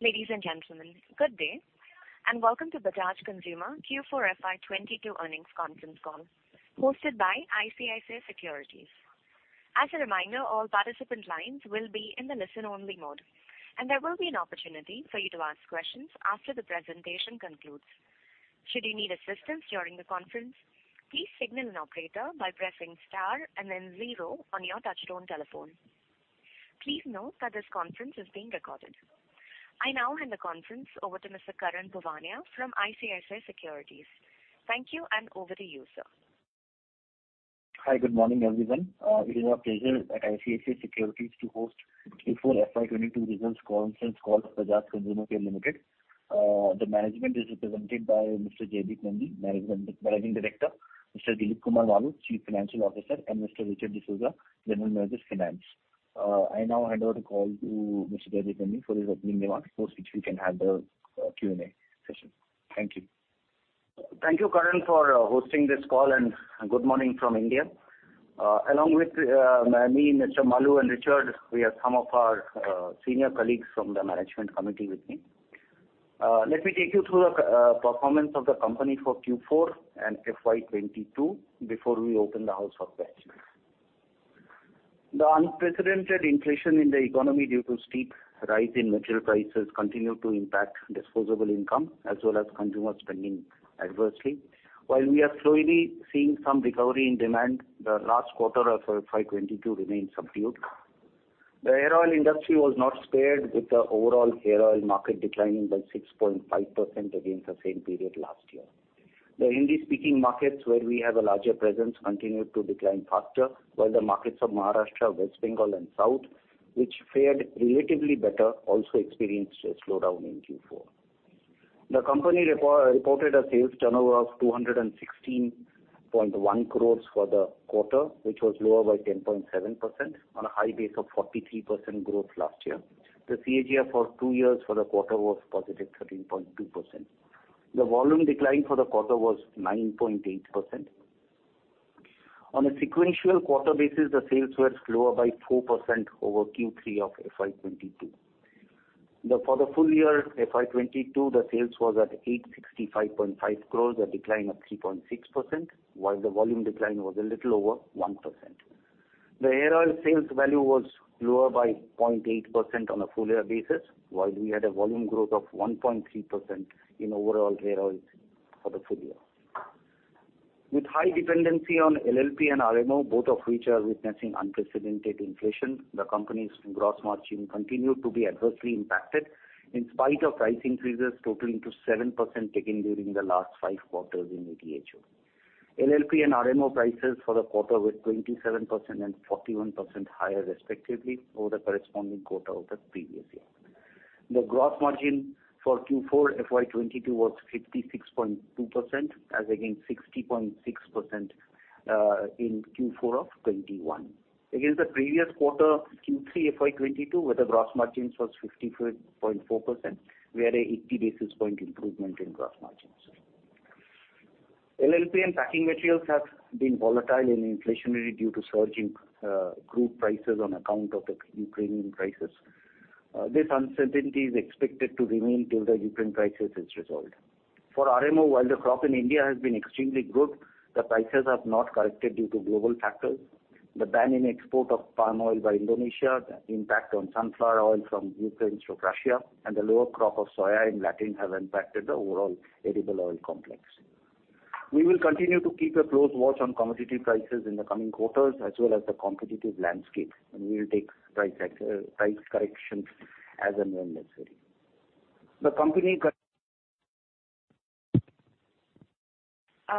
Ladies and gentlemen, good day, and welcome to Bajaj Consumer Care Q4 FY 2022 earnings conference call hosted by ICICI Securities. As a reminder, all participant lines will be in the listen-only mode, and there will be an opportunity for you to ask questions after the presentation concludes. Should you need assistance during the conference, please signal an operator by pressing star and then zero on your touchtone telephone. Please note that this conference is being recorded. I now hand the conference over to Mr. Karan Bhuwania from ICICI Securities. Thank you, and over to you, sir. Hi. Good morning, everyone. It is our pleasure at ICICI Securities to host Q4 FY 2022 results conference call Bajaj Consumer Care Limited. The management is represented by Mr. Jaideep Nandi, Managing Director, Mr. Dilip Kumar Maloo, Chief Financial Officer, and Mr. Richard D'Souza, General Manager Finance. I now hand over the call to Mr. Jaideep Nandi for his opening remarks after which we can have the Q&A session. Thank you. Thank you, Karan, for hosting this call, and good morning from India. Along with me, Mr. Maloo and Richard, we have some of our senior colleagues from the management committee with me. Let me take you through the performance of the company for Q4 and FY 2022 before we open the house for questions. The unprecedented inflation in the economy due to steep rise in material prices continued to impact disposable income as well as consumer spending adversely. While we are slowly seeing some recovery in demand, the last quarter of FY 2022 remained subdued. The hair oil industry was not spared, with the overall hair oil market declining by 6.5% against the same period last year. The Hindi-speaking markets, where we have a larger presence, continued to decline faster, while the markets of Maharashtra, West Bengal and South, which fared relatively better, also experienced a slowdown in Q4. The company reported a sales turnover of 216.1 crores for the quarter, which was lower by 10.7% on a high base of 43% growth last year. The CAGR for two years for the quarter was positive 13.2%. The volume decline for the quarter was 9.8%. On a sequential quarter basis, the sales were slower by 4% over Q3 of FY 2022. For the full-year FY 2022, the sales was at 865.5 crores, a decline of 3.6%, while the volume decline was a little over 1%. The hair oil sales value was lower by 0.8% on a full-year basis, while we had a volume growth of 1.3% in overall hair oils for the full-year. With high dependency on LLP and RMO, both of which are witnessing unprecedented inflation, the company's gross margin continued to be adversely impacted in spite of price increases totaling 7% taken during the last five quarters in ADHO. LLP and RMO prices for the quarter were 27% and 41% higher respectively over the corresponding quarter of the previous year. The gross margin for Q4 FY 2022 was 56.2% as against 60.6% in Q4 of 2021. Against the previous quarter, Q3 FY 2022, where the gross margins was 54.4%, we had an 80 basis point improvement in gross margins. LLP and packing materials have been volatile and inflationary due to surging crude prices on account of the Ukrainian crisis. This uncertainty is expected to remain till the Ukraine crisis is resolved. For RMO, while the crop in India has been extremely good, the prices have not corrected due to global factors. The ban on export of palm oil by Indonesia, the impact on sunflower oil from Ukraine and Russia, and the lower crop of soy in Latin America have impacted the overall edible oil complex. We will continue to keep a close watch on commodity prices in the coming quarters as well as the competitive landscape, and we will take price corrections as and when necessary. The company.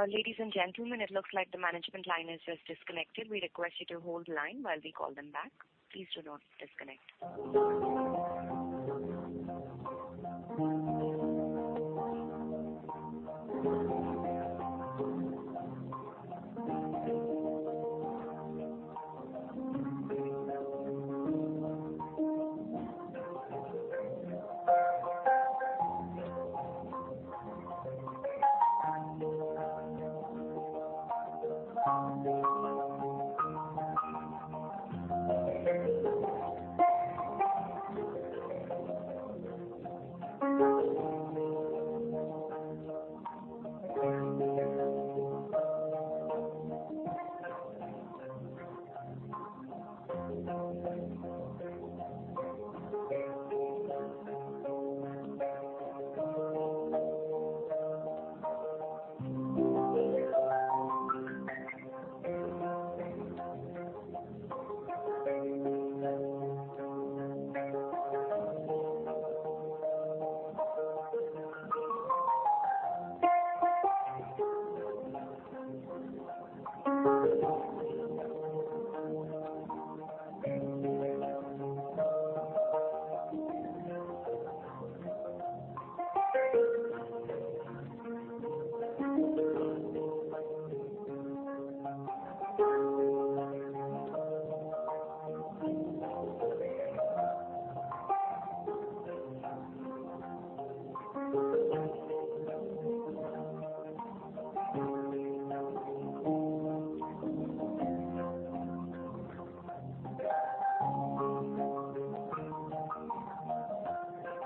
Ladies and gentlemen, it looks like the management line is just disconnected. We request you to hold the line while we call them back. Please do not disconnect.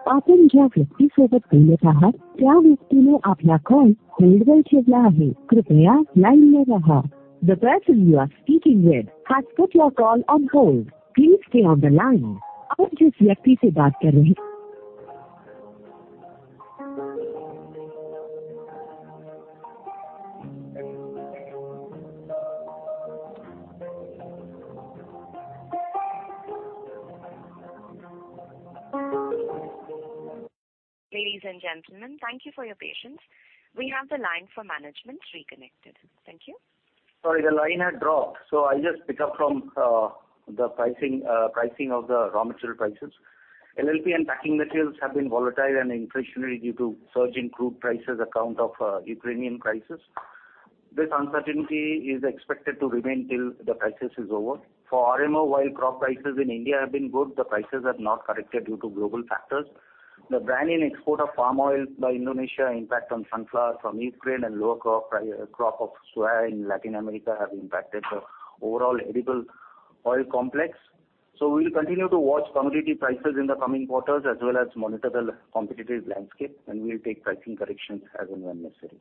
Ladies and gentlemen, thank you for your patience. We have the line for management reconnected. Thank you. Sorry, the line had dropped, so I'll just pick up from the pricing of the raw material prices. LLP and packing materials have been volatile and inflationary due to surge in crude prices on account of Ukrainian crisis. This uncertainty is expected to remain till the crisis is over. For RMO, while crop prices in India have been good, the prices have not corrected due to global factors. The ban on export of palm oil by Indonesia impact on sunflower from Ukraine and lower crop of soya in Latin America have impacted the overall edible oil complex. We'll continue to watch commodity prices in the coming quarters, as well as monitor the competitive landscape, and we'll take pricing corrections as and when necessary.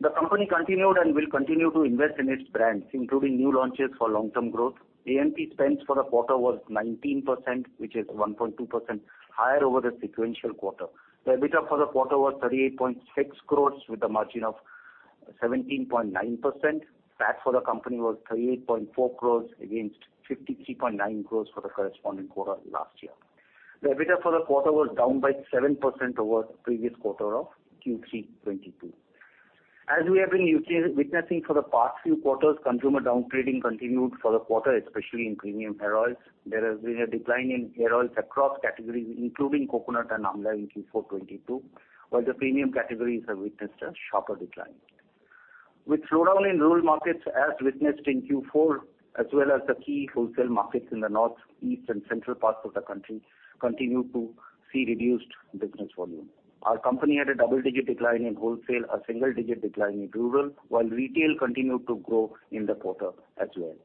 The company has continued and will continue to invest in its brands, including new launches for long-term growth. A&P spends for the quarter was 19%, which is 1.2% higher over the sequential quarter. The EBITDA for the quarter was 38.6 crores with a margin of 17.9%. PAT for the company was 38.4 crores against 53.9 crores for the corresponding quarter last year. The EBITDA for the quarter was down by 7% over the previous quarter of Q3 2022. We have been witnessing for the past few quarters, consumer downgrading continued for the quarter, especially in premium hair oils. There has been a decline in hair oils across categories, including coconut and amla in Q4 2022, while the premium categories have witnessed a sharper decline. With slowdown in rural markets as witnessed in Q4, as well as the key wholesale markets in the north, east, and central parts of the country continue to see reduced business volume. Our company had a double-digit decline in wholesale, a single-digit decline in rural, while retail continued to grow in the quarter as well.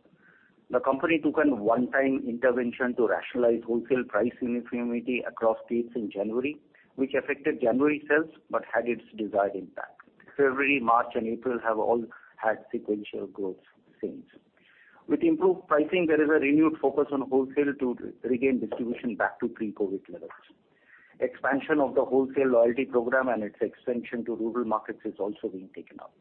The company took a one-time intervention to rationalize wholesale price uniformity across states in January, which affected January sales but had its desired impact. February, March, and April have all had sequential growth since. With improved pricing, there is a renewed focus on wholesale to regain distribution back to pre-COVID levels. Expansion of the wholesale loyalty program and its expansion to rural markets is also being taken up.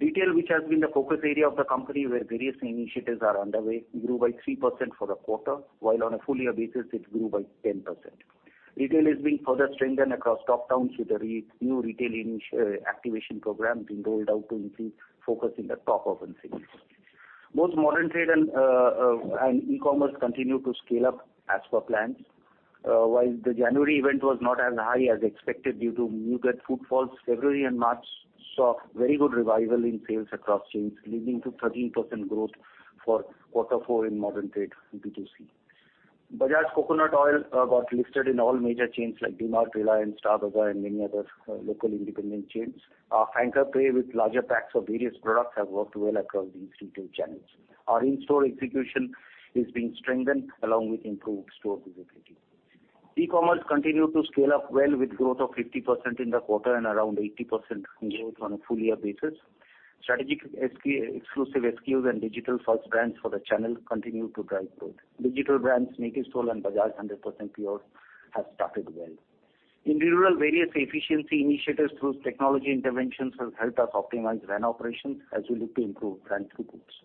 Retail, which has been the focus area of the company, where various initiatives are underway, grew by 3% for the quarter, while on a full-year basis it grew by 10%. Retail is being further strengthened across top towns with a new retail activation program being rolled out to increase focus in the top urban cities. Both modern trade and e-commerce continue to scale up as per plans. While the January event was not as high as expected due to muted footfalls, February and March saw very good revival in sales across chains, leading to 13% growth for quarter four in modern trade B2C. Bajaj Coconut Oil got listed in all major chains like DMart, Reliance, Star Bazaar, and many other local independent chains. Our anchor play with larger packs of various products have worked well across these retail channels. Our in-store execution is being strengthened along with improved store visibility. E-commerce continued to scale up well with growth of 50% in the quarter and around 80% growth on a full-year basis. Strategic exclusive SKUs and digital-first brands for the channel continued to drive growth. Digital brands Natyv Soul and Bajaj 100% Pure have started well. In rural, various efficiency initiatives through technology interventions have helped us optimize van operations as we look to improve brand throughputs.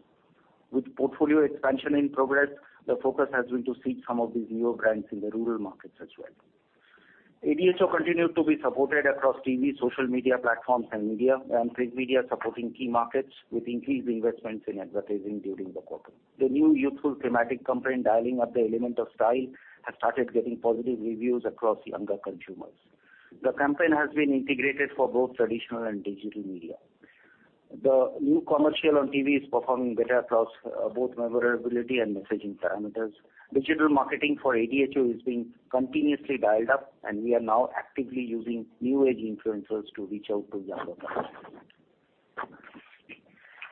With portfolio expansion in progress, the focus has been to seek some of these new brands in the rural markets as well. ADHO continued to be supported across TV, social media platforms and media, and print media supporting key markets with increased investments in advertising during the quarter. The new youthful thematic campaign, Dialing Up the Element of Style, has started getting positive reviews across younger consumers. The campaign has been integrated for both traditional and digital media. The new commercial on TV is performing better across both memorability and messaging parameters. Digital marketing for ADHO is being continuously dialed up, and we are now actively using new-age influencers to reach out to younger customers.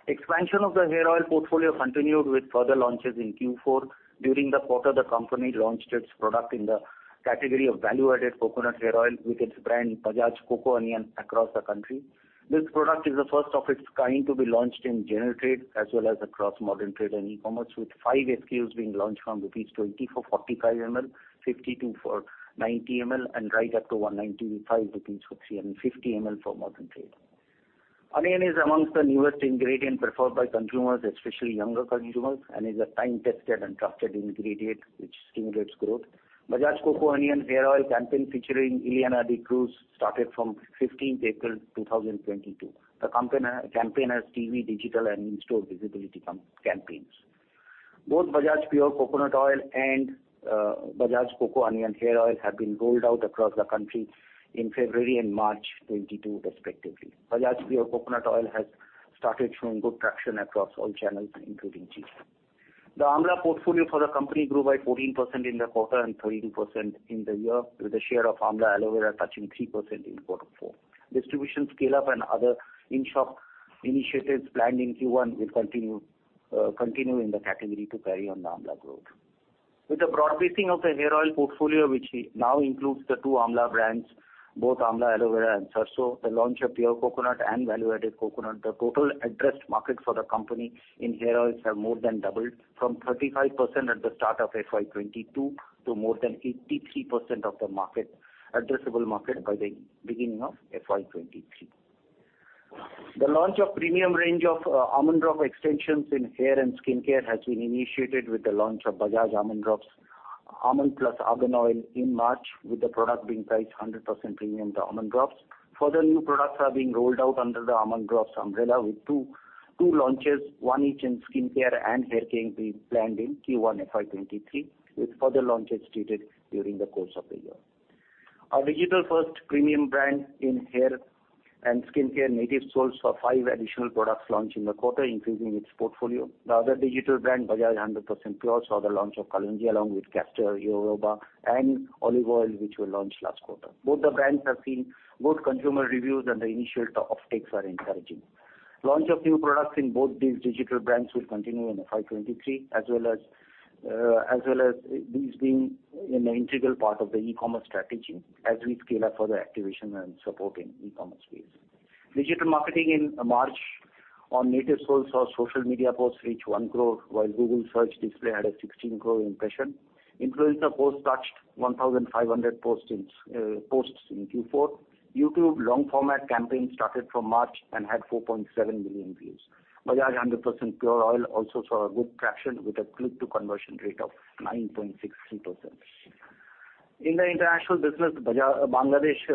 Expansion of the hair oil portfolio continued with further launches in Q4. During the quarter, the company launched its product in the category of value-added coconut hair oil with its brand Bajaj Coco Onion across the country. This product is the first of its kind to be launched in general trade as well as across modern trade and e-commerce, with five SKUs being launched from rupees 20 for 45 ml, 52 for 90 ml, and right up to 195 rupees for 350 ml for modern trade. Onion is amongst the newest ingredient preferred by consumers, especially younger consumers, and is a time-tested and trusted ingredient which stimulates growth. Bajaj Coco Onion hair oil campaign featuring Ileana D'Cruz started from 15 April 2022. The campaign has TV, digital, and in-store visibility campaigns. Both Bajaj Pure Coconut Oil and Bajaj Coco Onion hair oil have been rolled out across the country in February and March 2022, respectively. Bajaj Pure Coconut Oil has started showing good traction across all channels, including GT. The Amla portfolio for the company grew by 14% in the quarter and 32% in the year, with the share of Amla Aloe Vera touching 3% in quarter four. Distribution scale-up and other in-shop initiatives planned in Q1 will continue in the category to carry on the Amla growth. With the broad-basing of the hair oil portfolio, which now includes the two Amla brands, both Amla Aloe Vera and Sarson, the launch of Pure Coconut and value-added coconut, the total addressed market for the company in hair oils have more than doubled from 35% at the start of FY 2022 to more than 83% of the addressable market by the beginning of FY 2023. The launch of premium range of Almond Drops extensions in hair and skincare has been initiated with the launch of Bajaj Almond Drops Almond + Argan Oil in March, with the product being priced 100% premium to Almond Drops. Further new products are being rolled out under the Almond Drops umbrella with two launches, one each in skincare and haircare being planned in Q1 FY 2023, with further launches slated during the course of the year. Our digital-first premium brand in hair and skincare, Natyv Soul, saw five additional products launch in the quarter, increasing its portfolio. The other digital brand, Bajaj 100% Pure, saw the launch of Kalonji, along with castor oil, jojoba, and olive oil, which we launched last quarter. Both the brands have seen good consumer reviews, and the initial offtakes are encouraging. Launch of new products in both these digital brands will continue in FY 2023, as well as these being an integral part of the e-commerce strategy as we scale up for the activation and support in e-commerce space. Digital marketing in March on Natyv Soul saw social media posts reach 1 crore, while Google search display had a 16 crore impression. Influencer posts touched 1,500 posts in Q4. YouTube long-format campaign started from March and had 4.7 million views. Bajaj 100% Pure oil also saw good traction with a click-to-conversion rate of 9.63%. In the international business, Bangladesh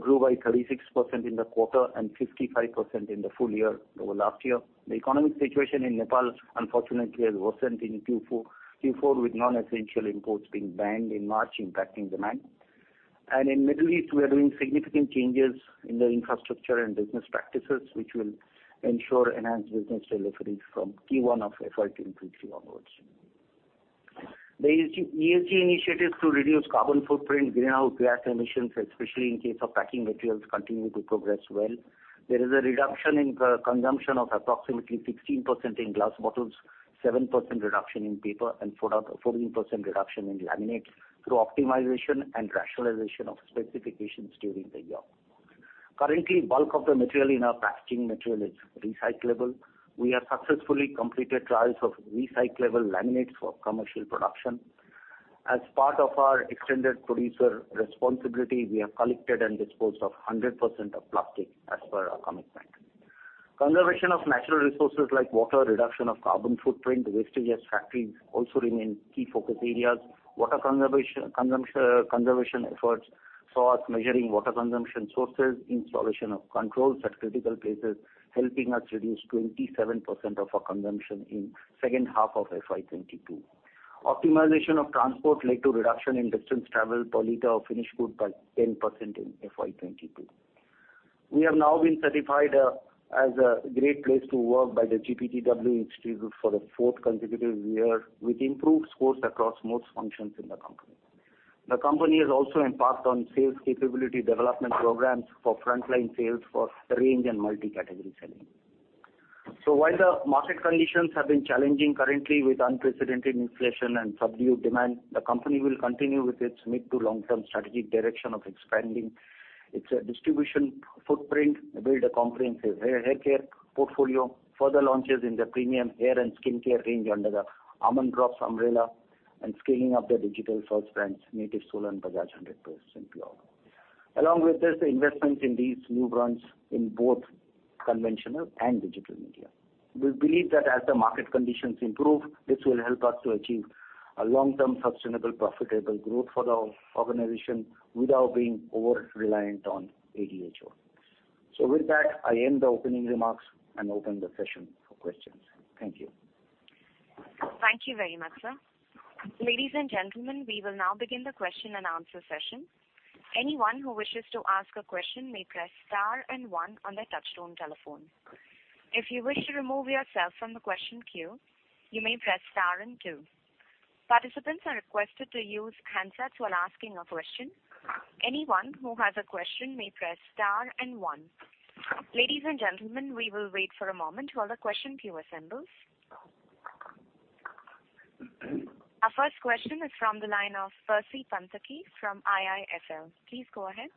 grew by 36% in the quarter and 55% in the full-year over last year. The economic situation in Nepal, unfortunately, has worsened in Q4 with non-essential imports being banned in March, impacting demand. In Middle East, we are doing significant changes in the infrastructure and business practices, which will ensure enhanced business delivery from Q1 of FY 2023 onwards. The ESG initiatives to reduce carbon footprint, greenhouse gas emissions, especially in case of packing materials, continue to progress well. There is a reduction in consumption of approximately 16% in glass bottles, 7% reduction in paper, and 14% reduction in laminate through optimization and rationalization of specifications during the year. Currently, bulk of the material in our packaging material is recyclable. We have successfully completed trials of recyclable laminates for commercial production. As part of our extended producer responsibility, we have collected and disposed of 100% of plastic as per our commitment. Conservation of natural resources like water, reduction of carbon footprint, wastages at factories also remain key focus areas. Water conservation, consumption, conservation efforts saw us measuring water consumption sources, installation of controls at critical places, helping us reduce 27% of our consumption in second half of FY 2022. Optimization of transport led to reduction in distance traveled per liter of finished good by 10% in FY 2022. We have now been certified as a great place to work by the GPTW Institute for the fourth consecutive year, with improved scores across most functions in the company. The company has also embarked on sales capability development programs for frontline sales for range and multi-category selling. While the market conditions have been challenging currently with unprecedented inflation and subdued demand, the company will continue with its mid- to long-term strategic direction of expanding its distribution footprint, build a comprehensive haircare portfolio, further launches in the premium hair and skincare range under the Almond Drops umbrella, and scaling up the digital-first brands Natyv Soul and Bajaj 100% Pure. Along with this, the investments in these new brands in both conventional and digital media. We believe that as the market conditions improve, this will help us to achieve a long-term, sustainable, profitable growth for the organization without being over-reliant on ADHO. With that, I end the opening remarks and open the session for questions. Thank you. Thank you very much, sir. Ladies and gentlemen, we will now begin the question and answer session. Anyone who wishes to ask a question may press star and one on their touchtone telephone. If you wish to remove yourself from the question queue, you may press star and two. Participants are requested to use handsets while asking a question. Anyone who has a question may press star and one. Ladies and gentlemen, we will wait for a moment while the question queue assembles. Our first question is from the line of Percy Panthaki from IIFL. Please go ahead.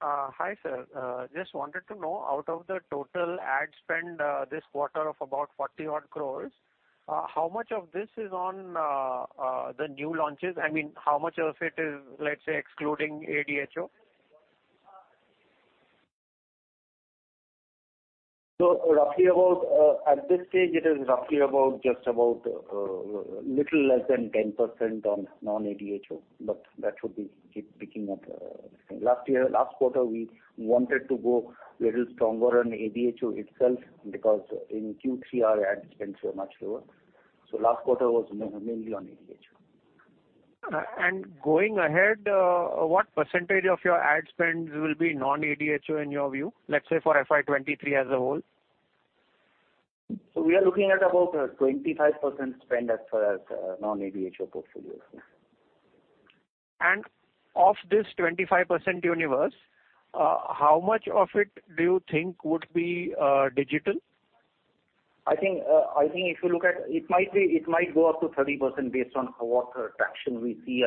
Hi, sir. Just wanted to know, out of the total ad spend, this quarter of about 40 crores, how much of this is on the new launches? I mean, how much of it is, let's say, excluding ADHO? Roughly, at this stage, it is just about a little less than 10% on non-ADHO, but that should be keep picking up. Last year, last quarter, we wanted to go a little stronger on ADHO itself because in Q3 our ad spends were much lower. Last quarter was mainly on ADHO. Going ahead, what percentage of your ad spends will be non-ADHO in your view, let's say for FY 2023 as a whole? We are looking at about 25% spend as far as non-ADHO portfolio. Of this 25% universe, how much of it do you think would be digital? I think if you look at it might go up to 30% based on what traction we see.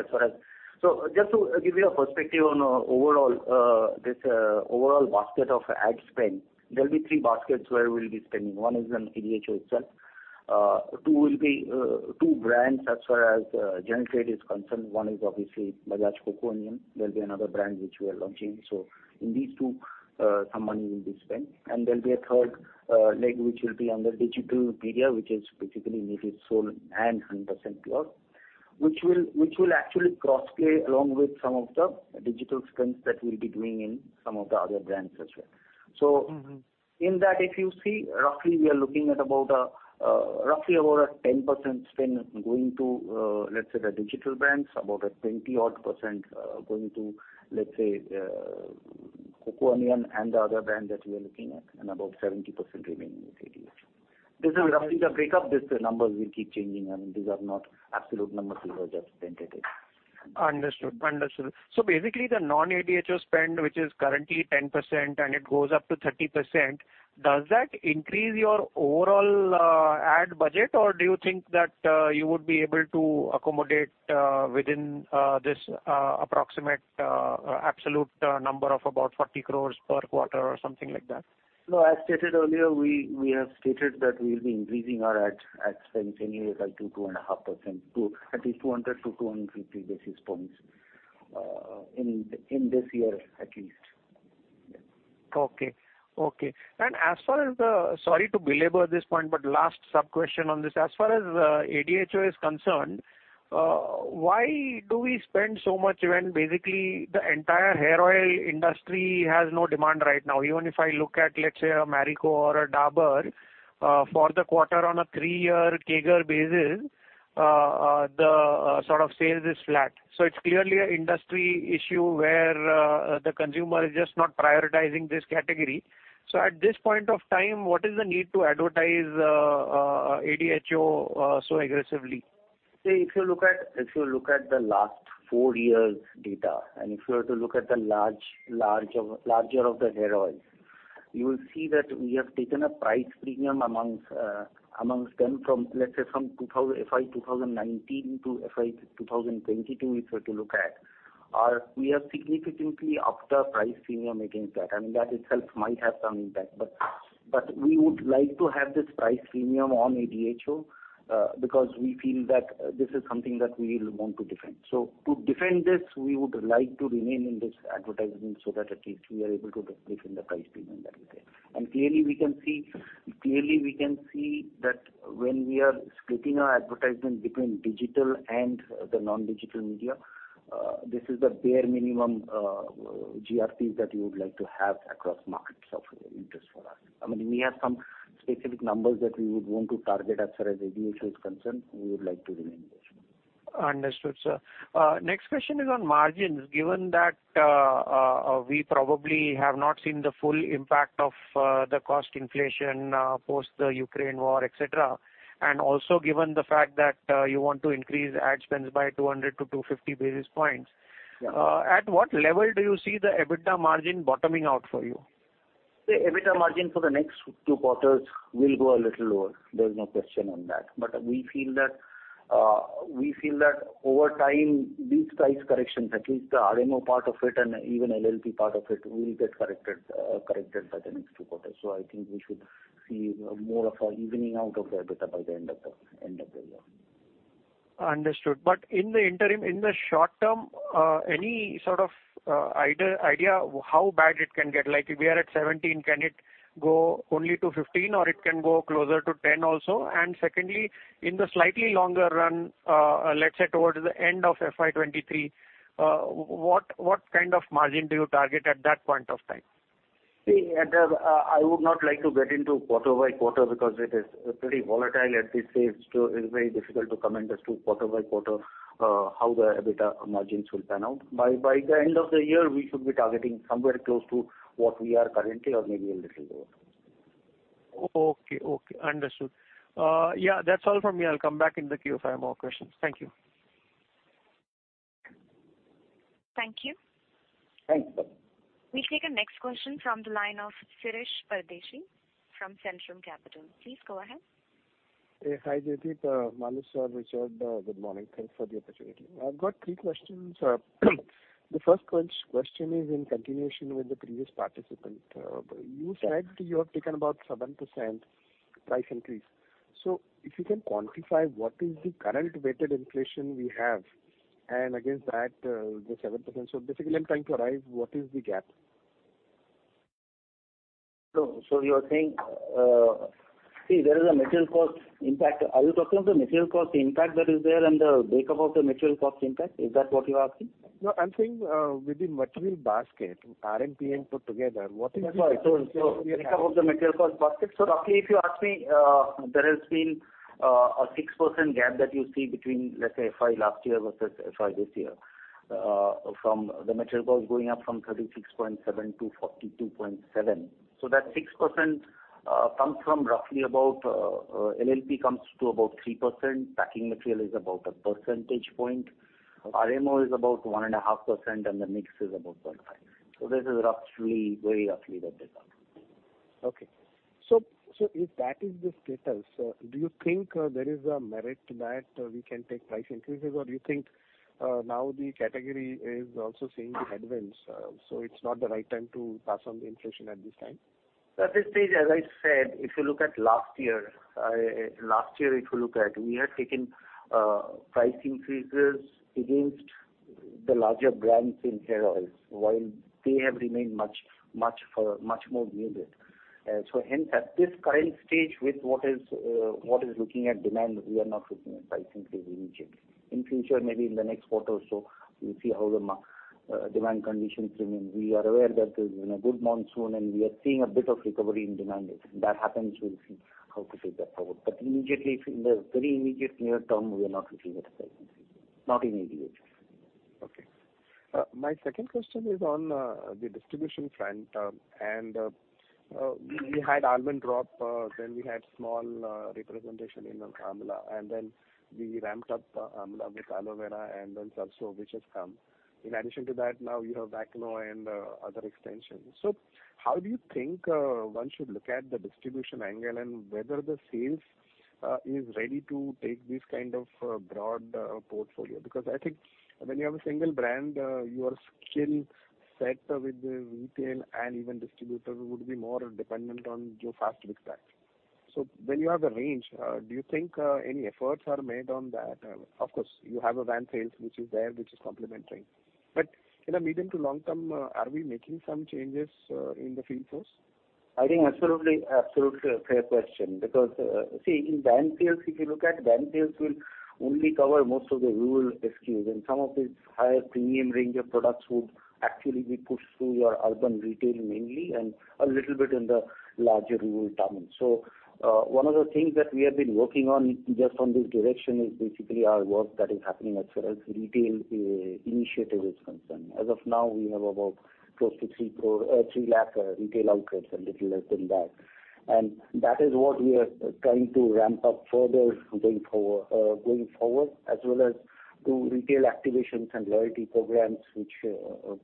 Just to give you a perspective on overall this overall basket of ad spend, there'll be three baskets where we'll be spending. One is on ADHO itself. Two will be two brands as far as GT is concerned. One is obviously Bajaj Coco Onion. There'll be another brand which we are launching. In these two some money will be spent. There'll be a third leg which will be under digital media, which is basically Natyv Soul and 100% Pure, which will actually cross-play along with some of the digital spends that we'll be doing in some of the other brands as well. Mm-hmm. In that, if you see, roughly we are looking at about a 10% spend going to, let's say the digital brands, about a 20-odd%, going to, let's say, Coco Onion and the other brand that we are looking at, and about 70% remaining with ADHO. This is roughly the breakup. These numbers will keep changing. I mean, these are not absolute numbers. These are just tentative. Understood. Basically the non-ADHO spend, which is currently 10% and it goes up to 30%, does that increase your overall ad budget? Or do you think that you would be able to accommodate within this approximate absolute number of about 40 crores per quarter or something like that? No, as stated earlier, we have stated that we will be increasing our ad spends annually by 2.5% to at least 200-250 basis points in this year at least. Okay. Sorry to belabor this point, but last sub-question on this. As far as ADHO is concerned, why do we spend so much when basically the entire hair oil industry has no demand right now? Even if I look at, let's say, a Marico or a Dabur, for the quarter on a three-year CAGR basis, the sort of sales is flat. It's clearly an industry issue where the consumer is just not prioritizing this category. At this point of time, what is the need to advertise ADHO so aggressively? See, if you look at the last four years' data, and if you were to look at the larger of the hair oils, you will see that we have taken a price premium amongst them from, let's say, FY 2019 to FY 2022. If you were to look at, we are significantly up the price premium against that. I mean, that itself might have some impact. We would like to have this price premium on ADHO, because we feel that this is something that we want to defend. To defend this, we would like to remain in this advertisement so that at least we are able to defend the price premium that is there. Clearly we can see that when we are splitting our advertisement between digital and the non-digital media, this is the bare minimum, GRPs that we would like to have across markets of interest for us. I mean, we have some specific numbers that we would want to target as far as ADHO is concerned, we would like to remain there. Understood, sir. Next question is on margins. Given that, we probably have not seen the full impact of the cost inflation post the Ukraine war, et cetera, and also given the fact that you want to increase ad spends by 200-250 basis points. Yeah. At what level do you see the EBITDA margin bottoming out for you? The EBITDA margin for the next two quarters will go a little lower. There's no question on that. We feel that over time, these price corrections, at least the RMO part of it and even LLP part of it, will get corrected by the next two quarters. I think we should see more of an evening out of the EBITDA by the end of the year. Understood. In the interim, in the short term, any sort of idea how bad it can get? Like if we are at 17%, can it go only to 15% or it can go closer to 10% also? Secondly, in the slightly longer run, let's say towards the end of FY 2023, what kind of margin do you target at that point of time? See, Adil, I would not like to get into quarter by quarter because it is pretty volatile at this stage. It's very difficult to comment as to quarter by quarter how the EBITDA margins will pan out. By the end of the year, we should be targeting somewhere close to what we are currently or maybe a little lower. Okay, okay. Understood. Yeah, that's all from me. I'll come back in the queue if I have more questions. Thank you. Thank you. Thanks. We'll take a next question from the line of Shirish Pardeshi from Centrum Broking. Please go ahead. Yes, hi, Jaideep. Maloo, sir, Richard. Good morning. Thanks for the opportunity. I've got three questions. The first question is in continuation with the previous participant. You said you have taken about 7% price increase. If you can quantify what is the current weighted inflation we have, and against that, the 7%. Basically I'm trying to arrive what is the gap? You are saying, see there is a material cost impact. Are you talking of the material cost impact that is there and the break-up of the material cost impact? Is that what you're asking? No, I'm saying, with the material basket, RMPM put together, what is the total? That's why I told, so break up of the material cost basket. Roughly if you ask me, there has been a 6% gap that you see between, let's say, FY last year versus FY this year. From the material cost going up from 36.7-42.7. That 6% comes from roughly about, LLP comes to about 3%. Packing material is about a percentage point. RMO is about 1.5%, and the mix is about 0.5. This is roughly, very roughly the breakdown. Okay. If that is the status, do you think there is a merit to that we can take price increases? Or do you think now the category is also seeing the headwinds, so it's not the right time to pass on the inflation at this time? At this stage, as I said, if you look at last year, we had taken price increases against the larger brands in hair oils, while they have remained much more muted. Hence at this current stage, with what is looking at demand, we are not looking at price increase immediately. In future, maybe in the next quarter or so, we'll see how the demand conditions remain. We are aware that there's been a good monsoon, and we are seeing a bit of recovery in demand. If that happens, we'll see how to take that forward. Immediately, in the very immediate near term, we are not looking at a price increase. Not immediately. Okay. My second question is on the distribution front. We had Almond Drops, then we had small representation in Amla, and then we ramped up Amla with Aloe Vera and then Sarso has come. In addition to that, now you have Vakro and other extensions. How do you think one should look at the distribution angle and whether the sales is ready to take this kind of broad portfolio? Because I think when you have a single brand, your skill set with the retail and even distributor would be more dependent on your fast-moving packs. When you have a range, do you think any efforts are made on that? Of course you have van sales which is there, which is complementary. In the medium to long term, are we making some changes in the field force? I think absolutely a fair question because, see, in van sales, if you look at van sales will only cover most of the rural SKUs, and some of these higher premium range of products would actually be pushed through your urban retail mainly and a little bit in the larger rural towns. One of the things that we have been working on just on this direction is basically our work that is happening as far as retail initiative is concerned. As of now, we have about close to 3 lakh retail outlets, a little less than that. That is what we are trying to ramp up further going forward, as well as do retail activations and loyalty programs, which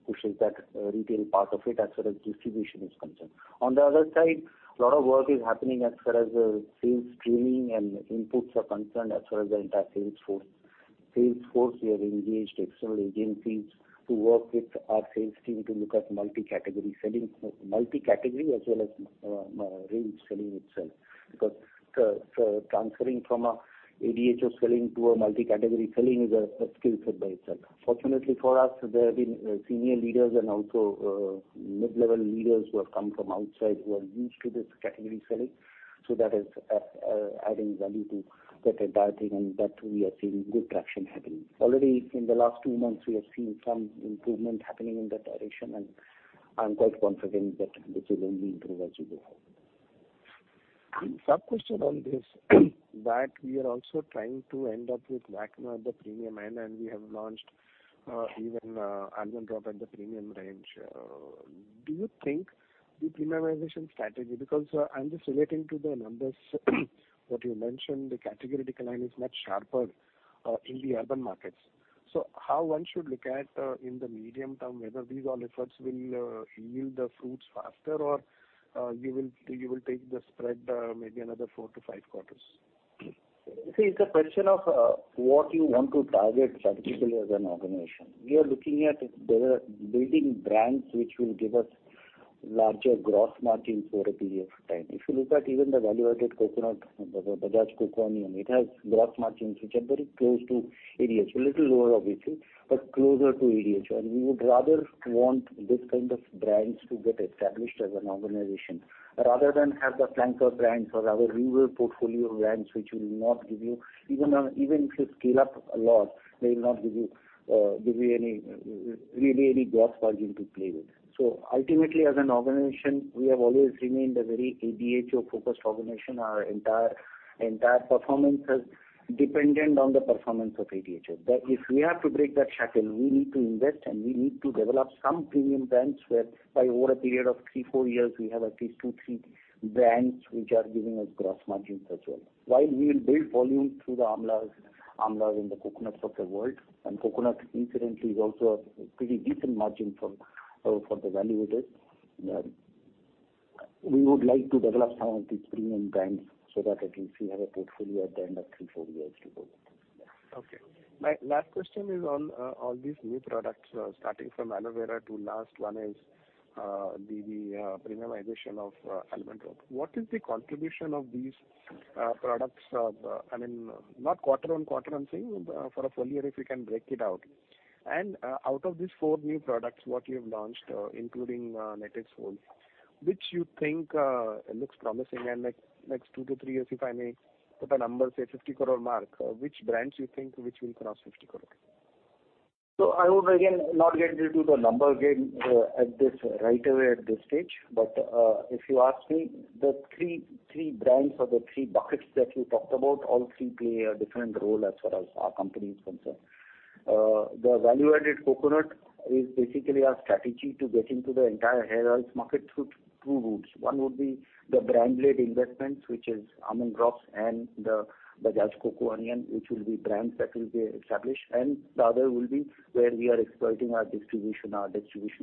pushes that retail part of it as far as distribution is concerned. On the other side, a lot of work is happening as far as sales training and inputs are concerned as far as the entire sales force. Sales force, we have engaged external agencies to work with our sales team to look at multi-category selling, multi-category as well as range selling itself. Because transferring from a ADHO selling to a multi-category selling is a skill set by itself. Fortunately for us, there have been senior leaders and also mid-level leaders who have come from outside who are used to this category selling, so that is adding value to that entire thing. That we are seeing good traction happening. Already in the last two months, we have seen some improvement happening in that direction, and I'm quite confident that this will only improve as we go forward. A sub-question on this, that we are also trying to end up with Vakro at the premium end, and we have launched even Almond Drops at the premium range. Do you think the premiumization strategy, because I'm just relating to the numbers what you mentioned, the category decline is much sharper in the urban markets. How one should look at in the medium term whether these all efforts will yield the fruits faster or you will take the spread maybe another four to five quarters? See, it's a question of what you want to target particularly as an organization. We are looking at building brands which will give us larger gross margins over a period of time. If you look at even the value-added coconut, the Bajaj Coco Onion, it has gross margins which are very close to ADHO. A little lower obviously, but closer to ADHO. We would rather want this kind of brands to get established as an organization rather than have the flanker brands or our rural portfolio brands which will not give you, even if you scale up a lot, they will not give you any really any gross margin to play with. Ultimately, as an organization, we have always remained a very ADHO-focused organization. Our entire performance is dependent on the performance of ADHO. If we have to break that shackle, we need to invest, and we need to develop some premium brands whereby over a period of three, four years, we have at least two, three brands which are giving us gross margins as well. While we will build volume through the Amla and the Coconuts of the world, and Coconut incidentally is also a pretty decent margin for the value added. We would like to develop some of these premium brands so that at least we have a portfolio at the end of three, four years to go with. Okay. My last question is on these new products, starting from Aloe Vera to last one is the premiumization of Almond Drops. What is the contribution of these products? I mean, not quarter-on-quarter I'm saying, but for a full-year if you can break it out. Out of these four new products what you have launched, including Natyv Soul, which you think looks promising in next two to three years, if I may put a number, say 50 crore mark. Which brands you think which will cross 50 crore? I would, again, not get into the number game right away at this stage. If you ask me, the three brands or the three buckets that you talked about, all three play a different role as far as our company is concerned. The value-added coconut is basically our strategy to get into the entire hair oils market through two routes. One would be the brand-led investments, which is Almond Drops and the Bajaj Coco Onion, which will be brands that will be established. The other will be where we are exploiting our distribution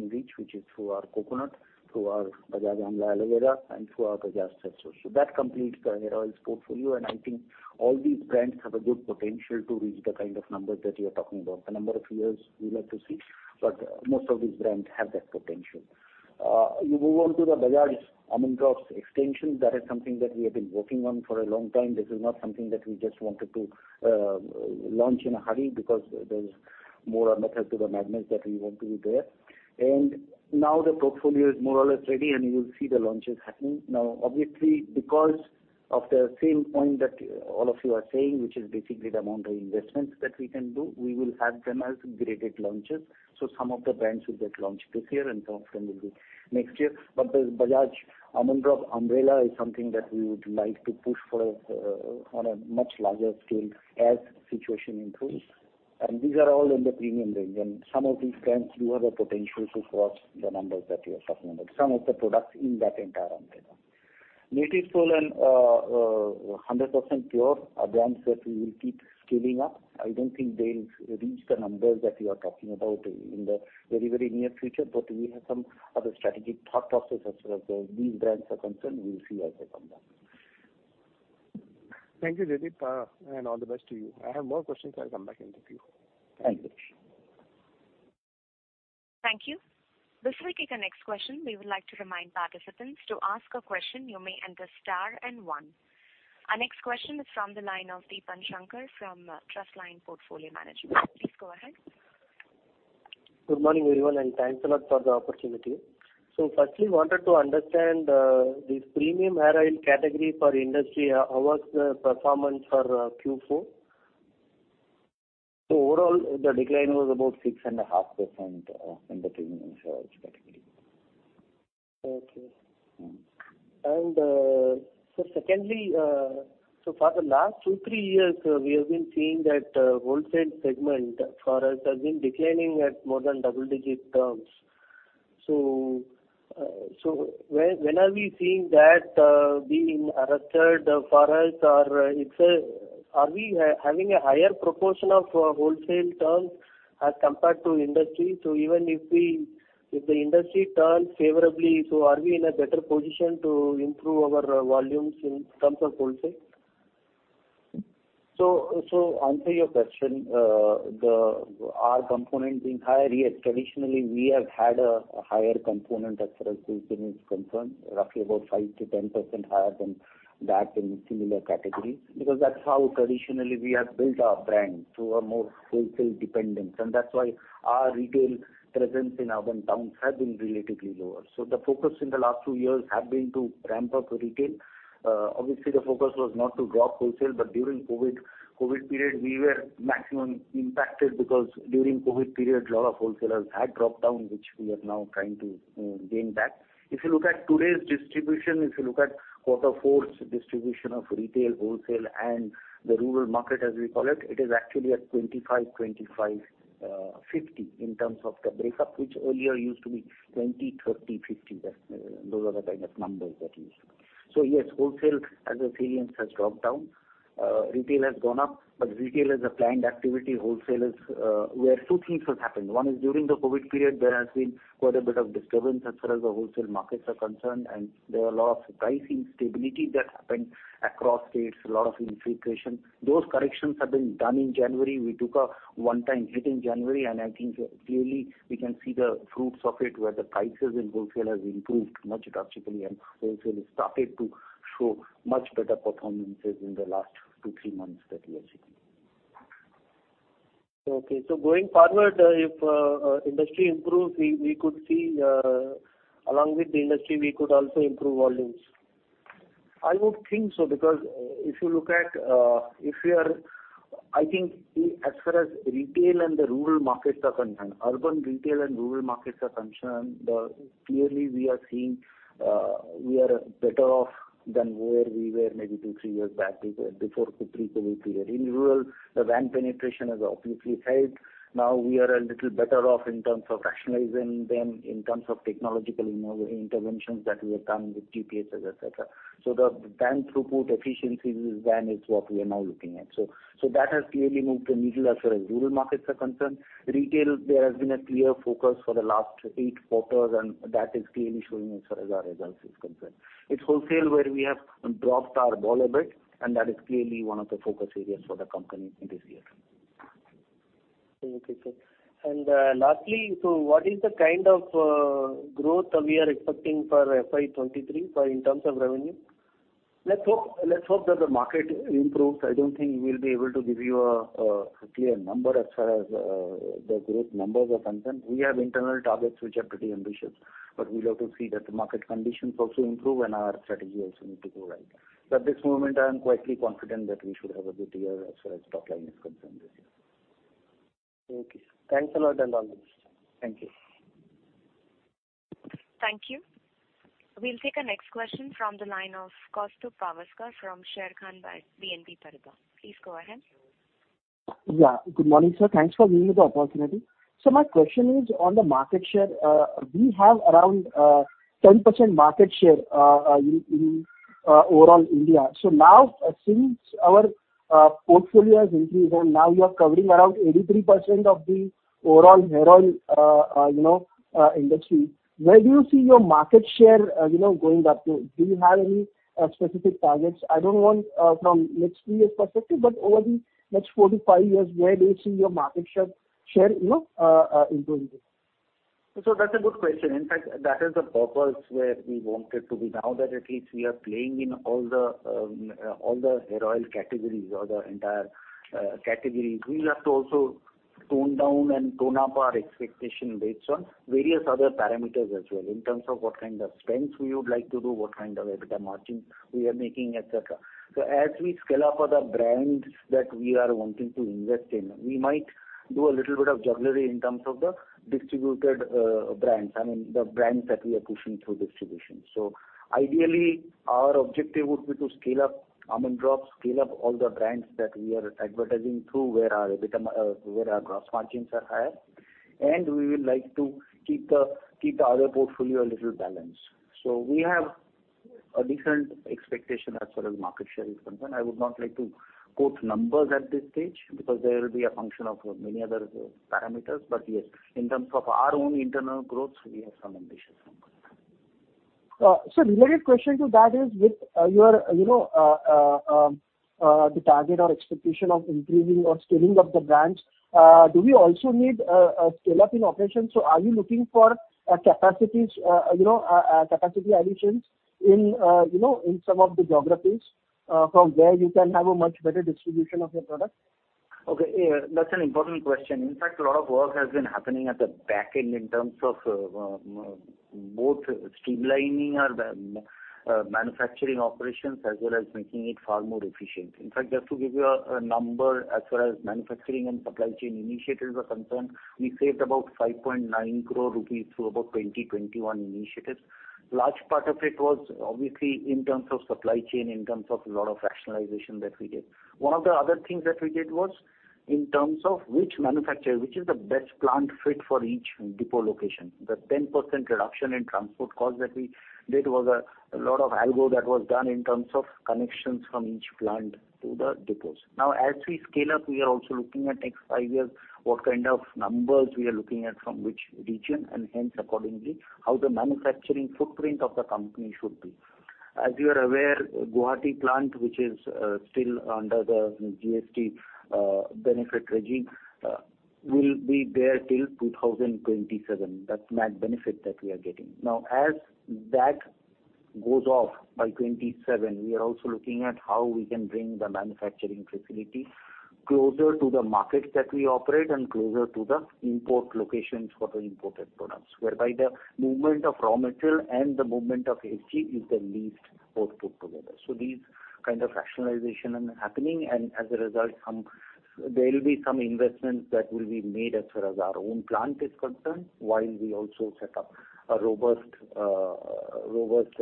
reach, which is through our coconut, through our Bajaj Amla Aloe Vera, and through our Bajaj Sarson Amla. That completes the hair oils portfolio, and I think all these brands have a good potential to reach the kind of numbers that you're talking about. The number of years we'd like to see, but most of these brands have that potential. You move on to the Bajaj Almond Drops extension, that is something that we have been working on for a long time. This is not something that we just wanted to launch in a hurry because there's more a method to the madness that we want to be there. Now the portfolio is more or less ready, and you will see the launches happening. Now, obviously, because of the same point that all of you are saying, which is basically the amount of investments that we can do, we will have them as graded launches. Some of the brands will get launched this year, and some of them will be next year. The Bajaj Almond Drops umbrella is something that we would like to push for on a much larger scale as situation improves. These are all in the premium range. Some of these brands do have a potential to cross the numbers that you are talking about, some of the products in that entire umbrella. Natyv Soul and Bajaj 100% Pure are brands that we will keep scaling up. I don't think they'll reach the numbers that you are talking about in the very, very near future, but we have some other strategic thought process as far as these brands are concerned. We'll see as they come back. Thank you, Jaideep, and all the best to you. I have more questions. I'll come back and get to you. Thank you. Thank you. Before we take our next question, we would like to remind participants to ask a question, you may enter star and one. Our next question is from the line of Deepak Shankar from Trustline Portfolio Management. Please go ahead. Good morning, everyone, and thanks a lot for the opportunity. Firstly, wanted to understand this premium hair oil category for industry, how was the performance for Q4? Overall, the decline was about 6.5% in the premium hair oils category. Okay. Mm-hmm. Secondly, for the last two to three years, we have been seeing that wholesale segment for us has been declining at more than double-digit terms. When are we seeing that being arrested for us? Are we having a higher proportion of wholesale terms as compared to industry? Even if the industry turns favorably, are we in a better position to improve our volumes in terms of wholesale? To answer your question, our component being higher, yes. Traditionally, we have had a higher component as far as wholesale is concerned, roughly about 5%-10% higher than that in similar categories, because that's how traditionally we have built our brand, through a more wholesale dependence. That's why our retail presence in urban towns has been relatively lower. The focus in the last two years have been to ramp up the retail. Obviously, the focus was not to drop wholesale, but during COVID period, we were maximum impacted because during COVID period, lot of wholesalers had dropped down, which we are now trying to, you know, gain back. If you look at today's distribution, if you look at quarter four's distribution of retail, wholesale, and the rural market, as we call it is actually at 25%, 25%, 50% in terms of the breakup, which earlier used to be 20%, 30%, 50%. That's those are the kind of numbers that used to be. Yes, wholesale as a segment has dropped down. Retail has gone up, but retail is a planned activity. Wholesale is where two things have happened. One is during the COVID period, there has been quite a bit of disturbance as far as the wholesale markets are concerned, and there were a lot of price instability that happened across states, a lot of inflation. Those corrections have been done in January. We took a one-time hit in January, and I think clearly we can see the fruits of it, where the prices in wholesale has improved much drastically, and wholesale has started to show much better performances in the last two, three months that we have seen. Going forward, if industry improves, we could see, along with the industry, we could also improve volumes? I would think so, because I think as far as urban retail and rural markets are concerned, clearly we are seeing we are better off than where we were maybe two, three years back, before pre-COVID period. In rural, the van penetration has obviously helped. Now we are a little better off in terms of rationalizing them, in terms of technological interventions that we have done with GPS, et cetera. So the van throughput efficiencies. Van is what we are now looking at. So that has clearly moved the needle as far as rural markets are concerned. Retail, there has been a clear focus for the last 8 quarters, and that is clearly showing as far as our results is concerned. It's wholesale where we have dropped our ball a bit, and that is clearly one of the focus areas for the company in this year. Okay, sir. Lastly, so what is the kind of growth we are expecting for FY 2023 in terms of revenue? Let's hope that the market improves. I don't think we'll be able to give you a clear number as far as the growth numbers are concerned. We have internal targets which are pretty ambitious, but we'll have to see that the market conditions also improve and our strategy also need to go right. At this moment, I am quietly confident that we should have a good year as far as top line is concerned this year. Okay. Thanks a lot, and all the best. Thank you. Thank you. We'll take our next question from the line of Kaustubh Pawaskar from Sharekhan by BNP Paribas. Please go ahead. Yeah, good morning, sir. Thanks for giving me the opportunity. My question is on the market share. We have around 10% market share in overall India. Now, since our portfolio has increased and now we are covering around 83% of the overall hair oil industry, where do you see your market share, you know, going up to? Do you have any specific targets? I don't want from next three years perspective, but over the next four to five years, where do you see your market share, you know, improving? That's a good question. In fact, that is the purpose where we wanted to be. Now that at least we are playing in all the hair oil categories or the entire categories, we'll have to also tone down and tone up our expectation based on various other parameters as well, in terms of what kind of spends we would like to do, what kind of EBITDA margins we are making, et cetera. As we scale up other brands that we are wanting to invest in, we might do a little bit of jugglery in terms of the distributed brands. I mean, the brands that we are pushing through distribution. Ideally, our objective would be to scale up Almond Drops, scale up all the brands that we are advertising through, where our gross margins are higher. We will like to keep the other portfolio a little balanced. We have a different expectation as far as market share is concerned. I would not like to quote numbers at this stage because there will be a function of many other parameters. Yes, in terms of our own internal growth, we have some ambitious numbers. Related question to that is with your, you know, the target or expectation of improving or scaling of the brands, do we also need a scale-up in operations? Are you looking for capacities, you know, capacity additions in, you know, in some of the geographies, from where you can have a much better distribution of your product? Okay. Yeah. That's an important question. In fact, a lot of work has been happening at the back end in terms of both streamlining our manufacturing operations as well as making it far more efficient. In fact, just to give you a number as far as manufacturing and supply chain initiatives are concerned, we saved about 5.9 crore rupees through about 21 initiatives. Large part of it was obviously in terms of supply chain, in terms of lot of rationalization that we did. One of the other things that we did was in terms of which manufacturer, which is the best plant fit for each depot location. The 10% reduction in transport cost that we did was a lot of algo that was done in terms of connections from each plant to the depots. Now, as we scale up, we are also looking at next five years, what kind of numbers we are looking at from which region, and hence accordingly, how the manufacturing footprint of the company should be. As you are aware, Guwahati plant which is still under the GST benefit regime will be there till 2027. That's tax benefit that we are getting. Now, as that goes off by 2027, we are also looking at how we can bring the manufacturing facility closer to the markets that we operate and closer to the import locations for the imported products. Whereby the movement of raw material and the movement of FG is the least both put together. These kind of rationalization are happening, and as a result, some. There will be some investments that will be made as far as our own plant is concerned, while we also set up a robust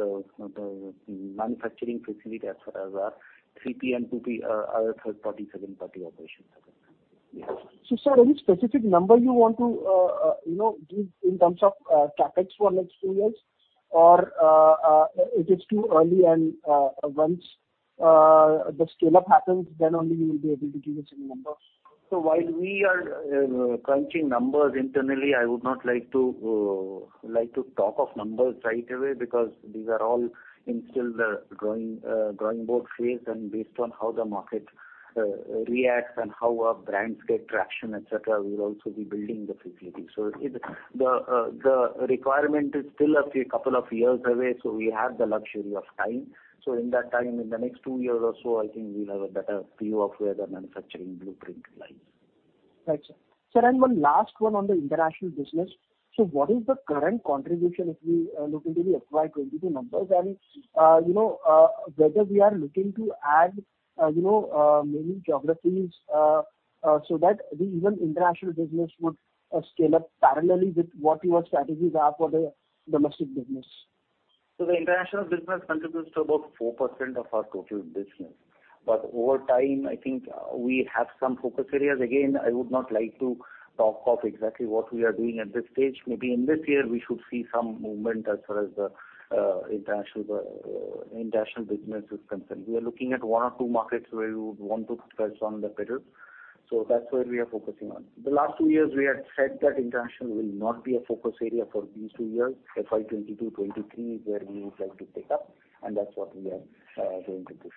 manufacturing facility as far as our 3PM, 2P, third party, second party operations are concerned. Yeah. Sir, any specific number you want to, you know, give in terms of CapEx for next two years? Or, it is too early and, once, the scale-up happens, then only you'll be able to give us any numbers? While we are crunching numbers internally, I would not like to talk of numbers right away because these are all still in the growing broad phase. Based on how the market reacts and how our brands get traction, et cetera, we'll also be building the facility. The requirement is still a couple of years away, so we have the luxury of time. In that time, in the next two years or so, I think we'll have a better view of where the manufacturing blueprint lies. Right, sir. Sir, one last one on the international business. What is the current contribution if we are looking to the FY 2022 numbers and, you know, whether we are looking to add, you know, maybe geographies, so that the even international business would scale up parallelly with what your strategies are for the domestic business. The international business contributes to about 4% of our total business. Over time, I think, we have some focus areas. Again, I would not like to talk of exactly what we are doing at this stage. Maybe in this year we should see some movement as far as the international business is concerned. We are looking at one or two markets where we would want to focus on the better. That's where we are focusing on. The last two years we had said that international will not be a focus area for these two years. FY 2022, 2023 is where we would like to pick up, and that's what we are doing currently.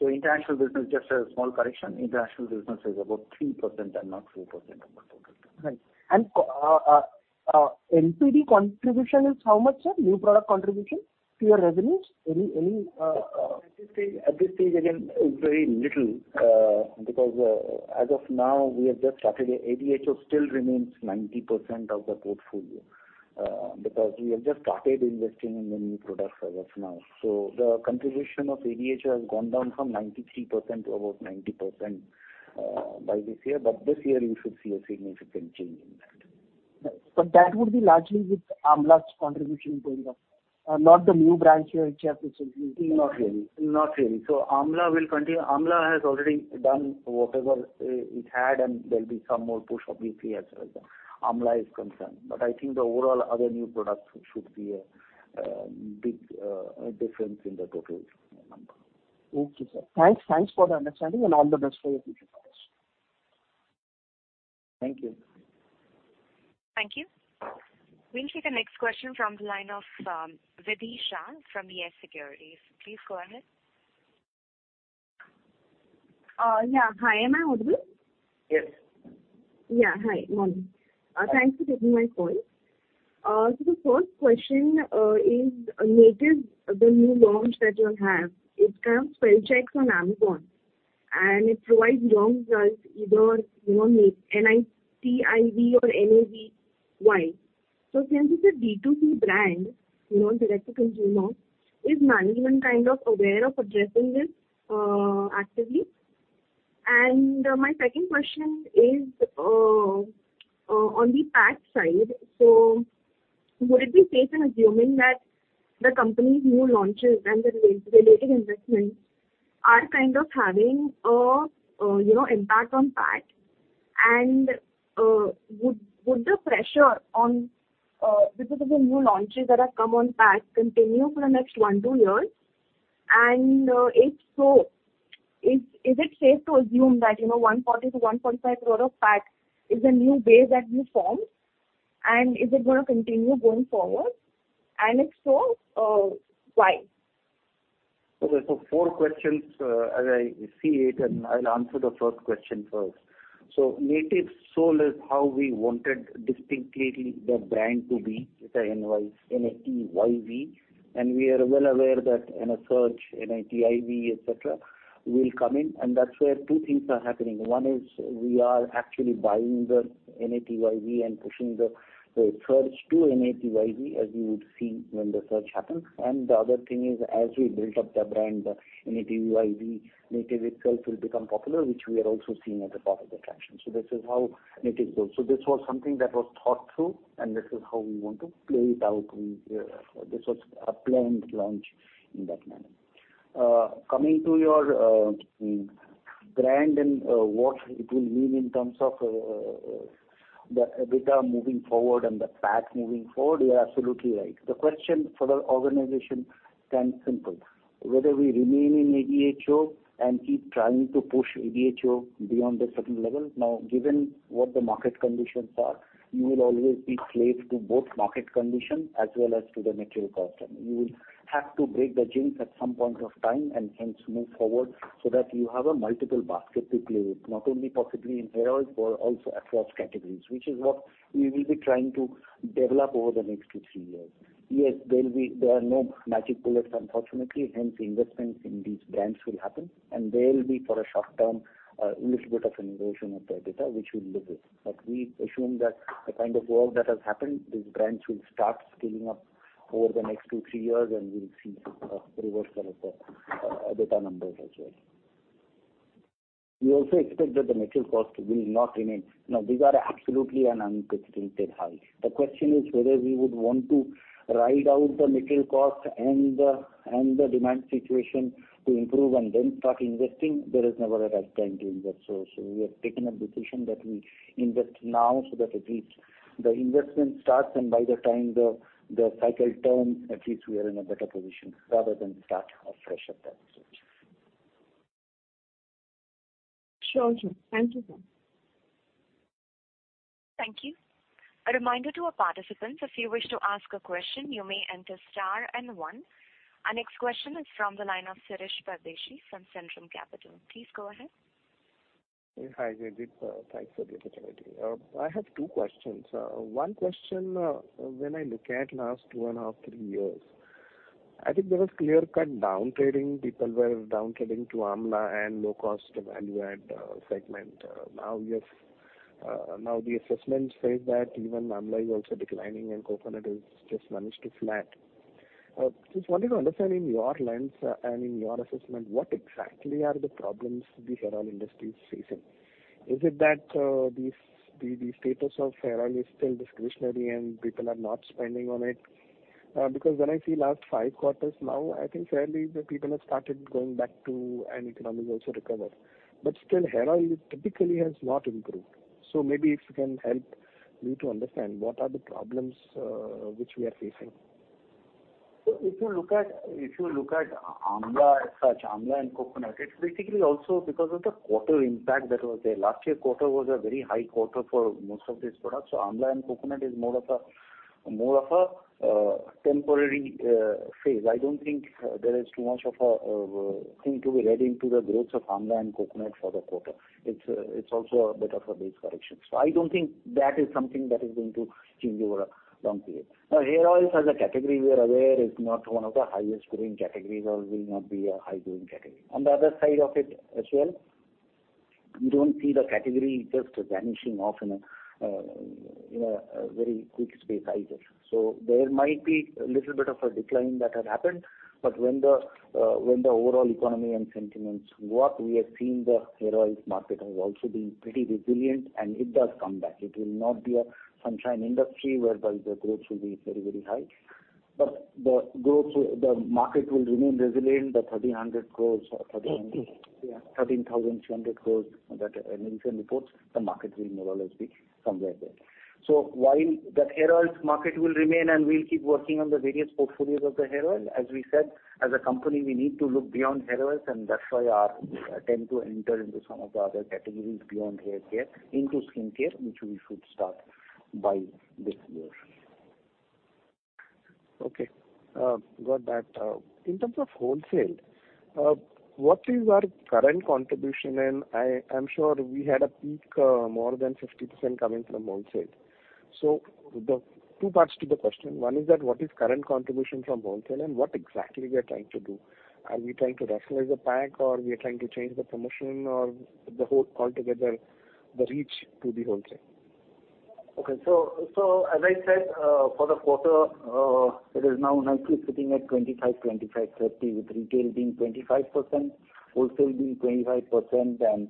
International business, just a small correction, international business is about 3% and not 2% of the total. Right. NPD contribution is how much, sir? New product contribution to your revenues. Any. At this stage, again, it's very little, because as of now, we have just started. ADHO still remains 90% of the portfolio, because we have just started investing in the new products as of now. The contribution of ADHO has gone down from 93% to about 90%, by this year. This year you should see a significant change in that. that would be largely with Amla's contribution going up, not the new brands you have recently Not really. Amla will continue. Amla has already done whatever it had, and there'll be some more push obviously as Amla is concerned. I think the overall other new products should be a big difference in the total number. Okay, sir. Thanks. Thanks for the understanding and all the best for your future plans. Thank you. Thank you. We'll take the next question from the line of, Vidhi Shah from YES Securities. Please go ahead. Yeah. Hi, am I audible? Yes. Hi, morning. Thanks for taking my call. The first question is Natyv, the new launch that you all have. It kind of spell checks on Amazon, and it provides wrong results, either, you know, N-I-T-I-V or N-A-T-Y. Since it's a B2C brand, you know, direct to consumer, is management kind of aware of addressing this actively? My second question is on the GT side. Would it be safe in assuming that the company's new launches and the relaunch-related investments are kind of having a, you know, impact on GT? Would the pressure on, because of the new launches that have come on GT continue for the next one to two years? If so, is it safe to assume that, you know, 1.4-1.5 crore pack is a new base that you form? Is it gonna continue going forward? If so, why? Okay. Four questions, as I see it, and I'll answer the first question first. Natyv Soul is how we wanted distinctly the brand to be, with N-A-T-Y-V. We are well aware that in a search, N-A-T-I-V, et cetera, will come in. That's where two things are happening. One is we are actually buying the N-A-T-Y-V and pushing the search to N-A-T-Y-V, as you would see when the search happens. The other thing is, as we built up the brand, N-A-T-Y-V, Natyv itself will become popular, which we are also seeing at the point of attraction. This is how Natyv goes. This was something that was thought through, and this is how we want to play it out. This was a planned launch in that manner. Coming to your brand and what it will mean in terms of the EBITDA moving forward and the PAT moving forward, you're absolutely right. The question for the organization is simple. Whether we remain in ADHO and keep trying to push ADHO beyond a certain level. Now, given what the market conditions are, you will always be a slave to both market conditions as well as to the material cost. You will have to break the jinx at some point of time and hence move forward so that you have a multiple baskets to play with, not only possibly in hair oil, but also across categories, which is what we will be trying to develop over the next two, three years. Yes, there are no magic bullets, unfortunately. Hence, investments in these brands will happen, and they'll be for a short term, little bit of erosion of the EBITDA, which we'll live with. We assume that the kind of work that has happened, these brands will start scaling up over the next two, three years, and we'll see a reversal of the, EBITDA numbers as well. We also expect that the material cost will not remain. Now, these are absolutely an unprecedented high. The question is whether we would want to ride out the material cost and the demand situation to improve and then start investing. There is never a right time to invest. We have taken a decision that we invest now so that at least the investment starts, and by the time the cycle turns, at least we are in a better position rather than start afresh at that stage. Sure, sir. Thank you, sir. Thank you. A reminder to our participants, if you wish to ask a question, you may enter star and one. Our next question is from the line of Shirish Pardeshi from Centrum Broking. Please go ahead. Hi, Jaideep Nandi. Thanks for the opportunity. I have two questions. One question, when I look at last 2.5-3 years, I think there was clear-cut downtrading. People were downtrading to Amla and low-cost value-add segment. Now you have, now the assessment says that even Amla is also declining and Coconut has just managed to flat. Just wanted to understand in your lens and in your assessment, what exactly are the problems the hair oil industry is facing? Is it that the status of hair oil is still discretionary and people are not spending on it? Because when I see last five quarters now, I think fairly the people have started going back to, and economies also recover. Still, hair oil typically has not improved. Maybe if you can help me to understand what are the problems, which we are facing? If you look at Amla as such, Amla and Coconut, it's basically also because of the quarter impact that was there. Last year quarter was a very high quarter for most of these products. Amla and Coconut is more of a temporary phase. I don't think there is too much of a thing to be read into the growths of Amla and coconut for the quarter. It's also a bit of a base correction. I don't think that is something that is going to change over a long period. Now, hair oils as a category, we are aware, is not one of the highest growing categories or will not be a high growing category. On the other side of it as well, we don't see the category just vanishing off in a very quick space either. There might be a little bit of a decline that has happened, but when the overall economy and sentiments work, we are seeing the hair oils market has also been pretty resilient, and it does come back. It will not be a sunshine industry whereby the growth will be very, very high. The market will remain resilient. The 1,300 crores or 13- Mm-hmm. Yeah, 13,200 crore that Nielsen reports, the market will more or less be somewhere there. While that hair oils market will remain, and we'll keep working on the various portfolios of the hair oil, as we said, as a company, we need to look beyond hair oils, and that's why our attempt to enter into some of the other categories beyond hair care into skin care, which we should start by this year. Okay. Got that. In terms of wholesale, what is our current contribution? I'm sure we had a peak more than 50% coming from wholesale. The two parts to the question, one is that what is current contribution from wholesale and what exactly we are trying to do? Are we trying to rationalize the pack, or we are trying to change the promotion or the whole altogether, the reach to the wholesale? As I said, for the quarter, it is now nicely sitting at 25, 30, with retail being 25%, wholesale being 25%, and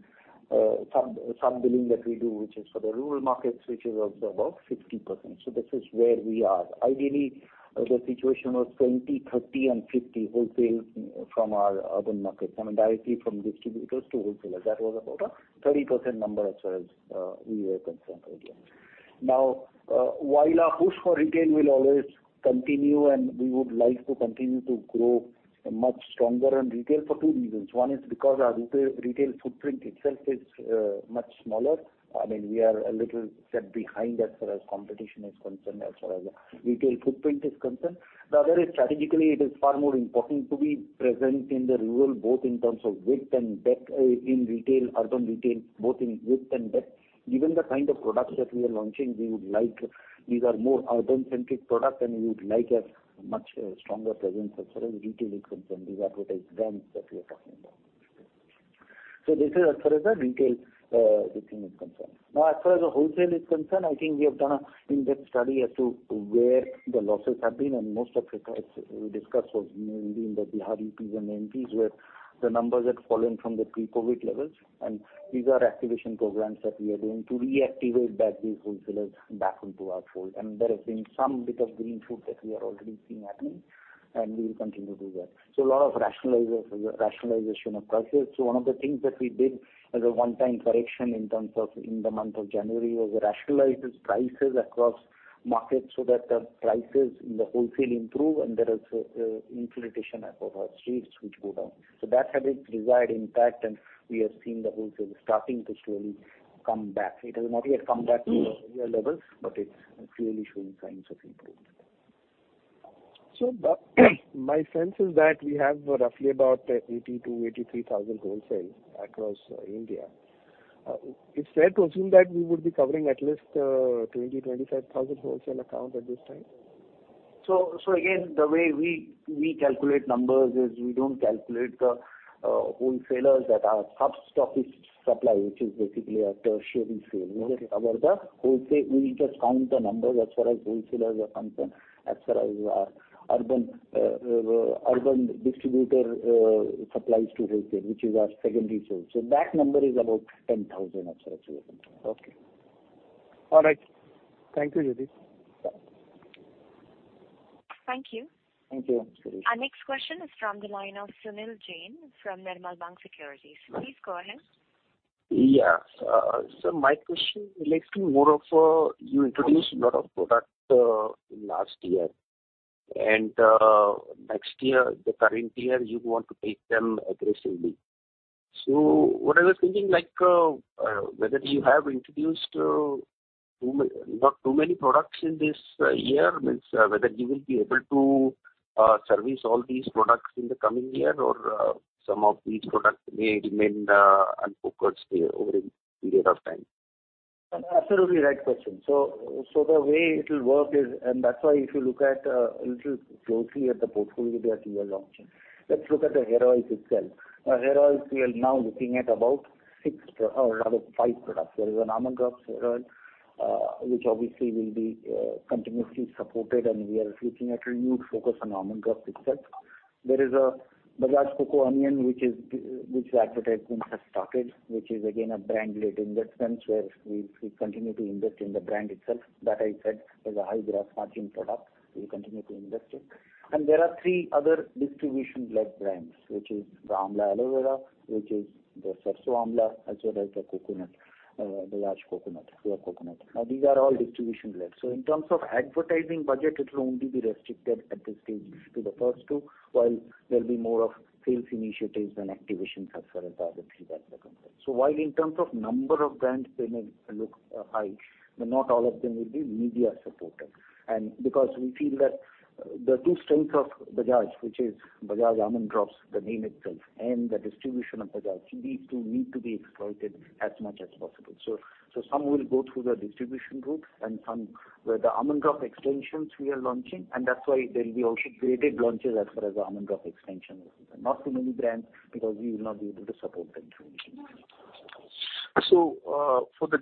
some billing that we do, which is for the rural markets, which is above 50%. This is where we are. Ideally, the situation was 20, 30, and 50 wholesale from our urban markets, I mean, directly from distributors to wholesalers. That was about a 30% number as far as we were concerned earlier. Now, while our push for retail will always continue, and we would like to continue to grow much stronger in retail for two reasons. One is because our retail footprint itself is much smaller. I mean, we are a little behind as far as competition is concerned, as far as retail footprint is concerned. The other is strategically it is far more important to be present in the rural, both in terms of width and depth, in retail, urban retail, both in width and depth. Given the kind of products that we are launching, we would like these are more urban-centric products, and we would like a much stronger presence as far as retail is concerned, these advertised brands that we are talking about. This is as far as the retail, thing is concerned. Now, as far as the wholesale is concerned, I think we have done an in-depth study as to where the losses have been, and most of it, as we discussed, was mainly in the Bihar, UPs, and MP's, where the numbers had fallen from the pre-COVID levels. These are activation programs that we are doing to reactivate back these wholesalers back into our fold. There has been some bit of green shoots that we are already seeing happening, and we will continue to do that. A lot of rationalization of prices. One of the things that we did as a one-time correction in terms of in the month of January was rationalized prices across markets so that the prices in the wholesale improve and there is inflation at our streets which go down. That had its desired impact, and we are seeing the wholesale starting to slowly come back. It has not yet come back to the earlier levels, but it's clearly showing signs of improvement. My sense is that we have roughly about 80,000-83,000 wholesale across India. Is it fair to assume that we would be covering at least 20,000-25,000 wholesale accounts at this time? Again, the way we calculate numbers is we don't calculate the wholesalers that our sub-stockists supply, which is basically a tertiary sale. We only cover the wholesale. We just count the numbers as far as wholesalers are concerned, as far as our urban distributor supplies to wholesale, which is our secondary sale. That number is about 10,000 as far as we are concerned. Okay. All right. Thank you, Jaideep Nandi. Yeah. Thank you. Thank you. Our next question is from the line of Sunil Jain from Nirmal Bang Securities. Please go ahead. Yes. My question relates to more of you introduced a lot of product in last year. Next year, the current year, you want to take them aggressively. What I was thinking, like, whether you have introduced not too many products in this year, means whether you will be able to service all these products in the coming year or some of these products may remain unfocused over a period of time. Absolutely right question. The way it'll work is. That's why if you look at a little closely at the portfolio that we are launching, let's look at the hair oils itself. Hair oils, we are now looking at about 6 or rather 5 products. There is an Amla Club hair oil, which obviously will be continuously supported, and we are looking at renewed focus on Amla Club itself. There is a Bajaj Coco Onion, which the advertising has started, which is again a brand-led investment where we continue to invest in the brand itself. That I said is a high gross margin product. We'll continue to invest it. There are 3 other distribution-led brands, which is the Amla Aloe Vera, which is the Sarso Amla, as well as the Coconut, Bajaj Coconut, Pure Coconut. These are all distribution-led. In terms of advertising budget, it will only be restricted at this stage to the first two, while there'll be more of sales initiatives and activations as far as the other three brands are concerned. While in terms of number of brands, they may look high, but not all of them will be media supported. Because we feel that the two strengths of Bajaj, which is Bajaj Almond Drops, the name itself, and the distribution of Bajaj. These two need to be exploited as much as possible. Some will go through the distribution route and some where the Almond Drops extensions we are launching, and that's why there'll be also graded launches as far as the Almond Drops extension is concerned. Not too many brands, because we will not be able to support them through. For the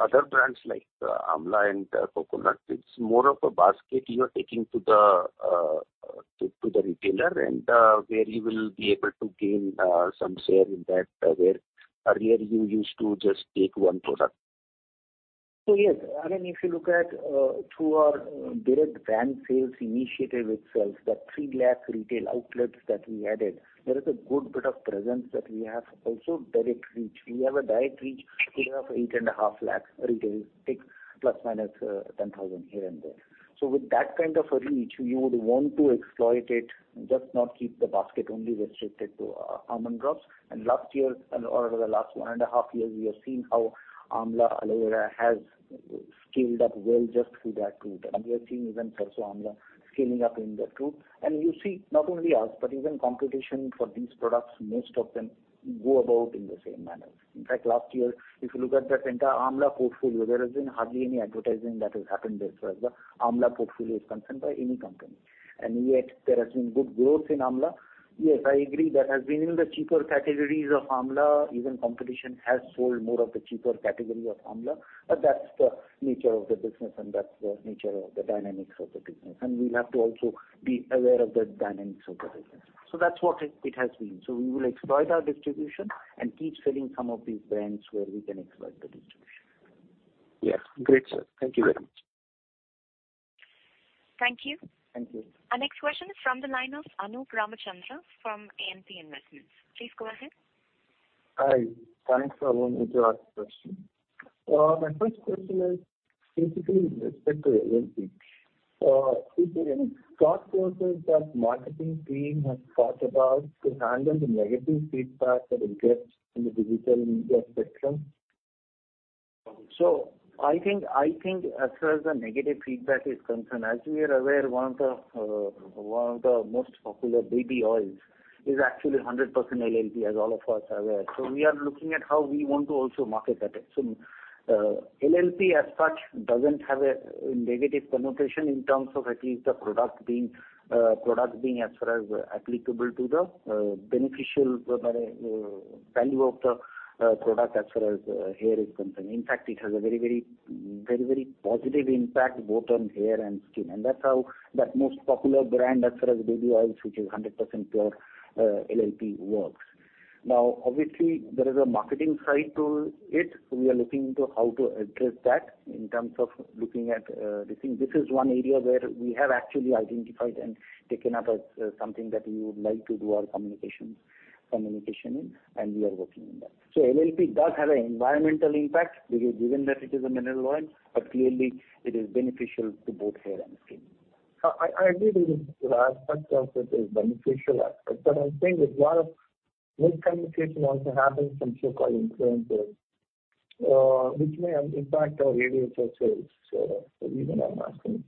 other brands like Amla and Coconut, it's more of a basket you are taking to the retailer and where you will be able to gain some share in that where earlier you used to just take one product. Yes. I mean, if you look at through our direct brand sales initiative itself, the 3 lakh retail outlets that we added, there is a good bit of presence that we have also direct reach. We have a direct reach today of 8.5 lakh retail outlets, ±10,000 here and there. With that kind of a reach, we would want to exploit it, just not keep the basket only restricted to Almond Drops. Last year, or over the last 1.5 years, we have seen how Amla Aloe Vera has scaled up well just through that route. We are seeing even Sarso Amla scaling up in that route. You see not only us, but even competition for these products, most of them go about in the same manner. In fact, last year, if you look at that entire Amla portfolio, there has been hardly any advertising that has happened there as far as the Amla portfolio is concerned by any company. Yet there has been good growth in Amla. Yes, I agree, that has been in the cheaper categories of Amla. Even competition has sold more of the cheaper category of Amla, but that's the nature of the business, and that's the nature of the dynamics of the business. We'll have to also be aware of the dynamics of the business. That's what it has been. We will exploit our distribution and keep filling some of these brands where we can exploit the distribution. Yes. Great, sir. Thank you very much. Thank you. Thank you. Our next question is from the line of Anup Ramachandra from AMP Investments. Please go ahead. Hi, thanks for allowing me to ask question. My first question is basically with respect to LLP. Is there any thought process that marketing team has thought about to handle the negative feedback that you get in the digital media spectrum? I think as far as the negative feedback is concerned, as we are aware, one of the most popular baby oils is actually 100% LLP, as all of us are aware. We are looking at how we want to also market that. LLP as such doesn't have a negative connotation in terms of at least the product being as far as applicable to the beneficial value of the product as far as hair is concerned. In fact, it has a very positive impact both on hair and skin. That's how that most popular brand as far as baby oils, which is 100% pure LLP works. Now, obviously, there is a marketing side to it. We are looking into how to address that in terms of looking at this thing. This is one area where we have actually identified and taken up as something that we would like to do our communications in, and we are working on that. LLP does have an environmental impact because given that it is a mineral oil, but clearly it is beneficial to both hair and skin. I agree with you to the aspect of that there's beneficial aspect, but I'm saying there's a lot of miscommunication also happens from so-called influencers, which may have impact on rural sales. The reason I'm asking.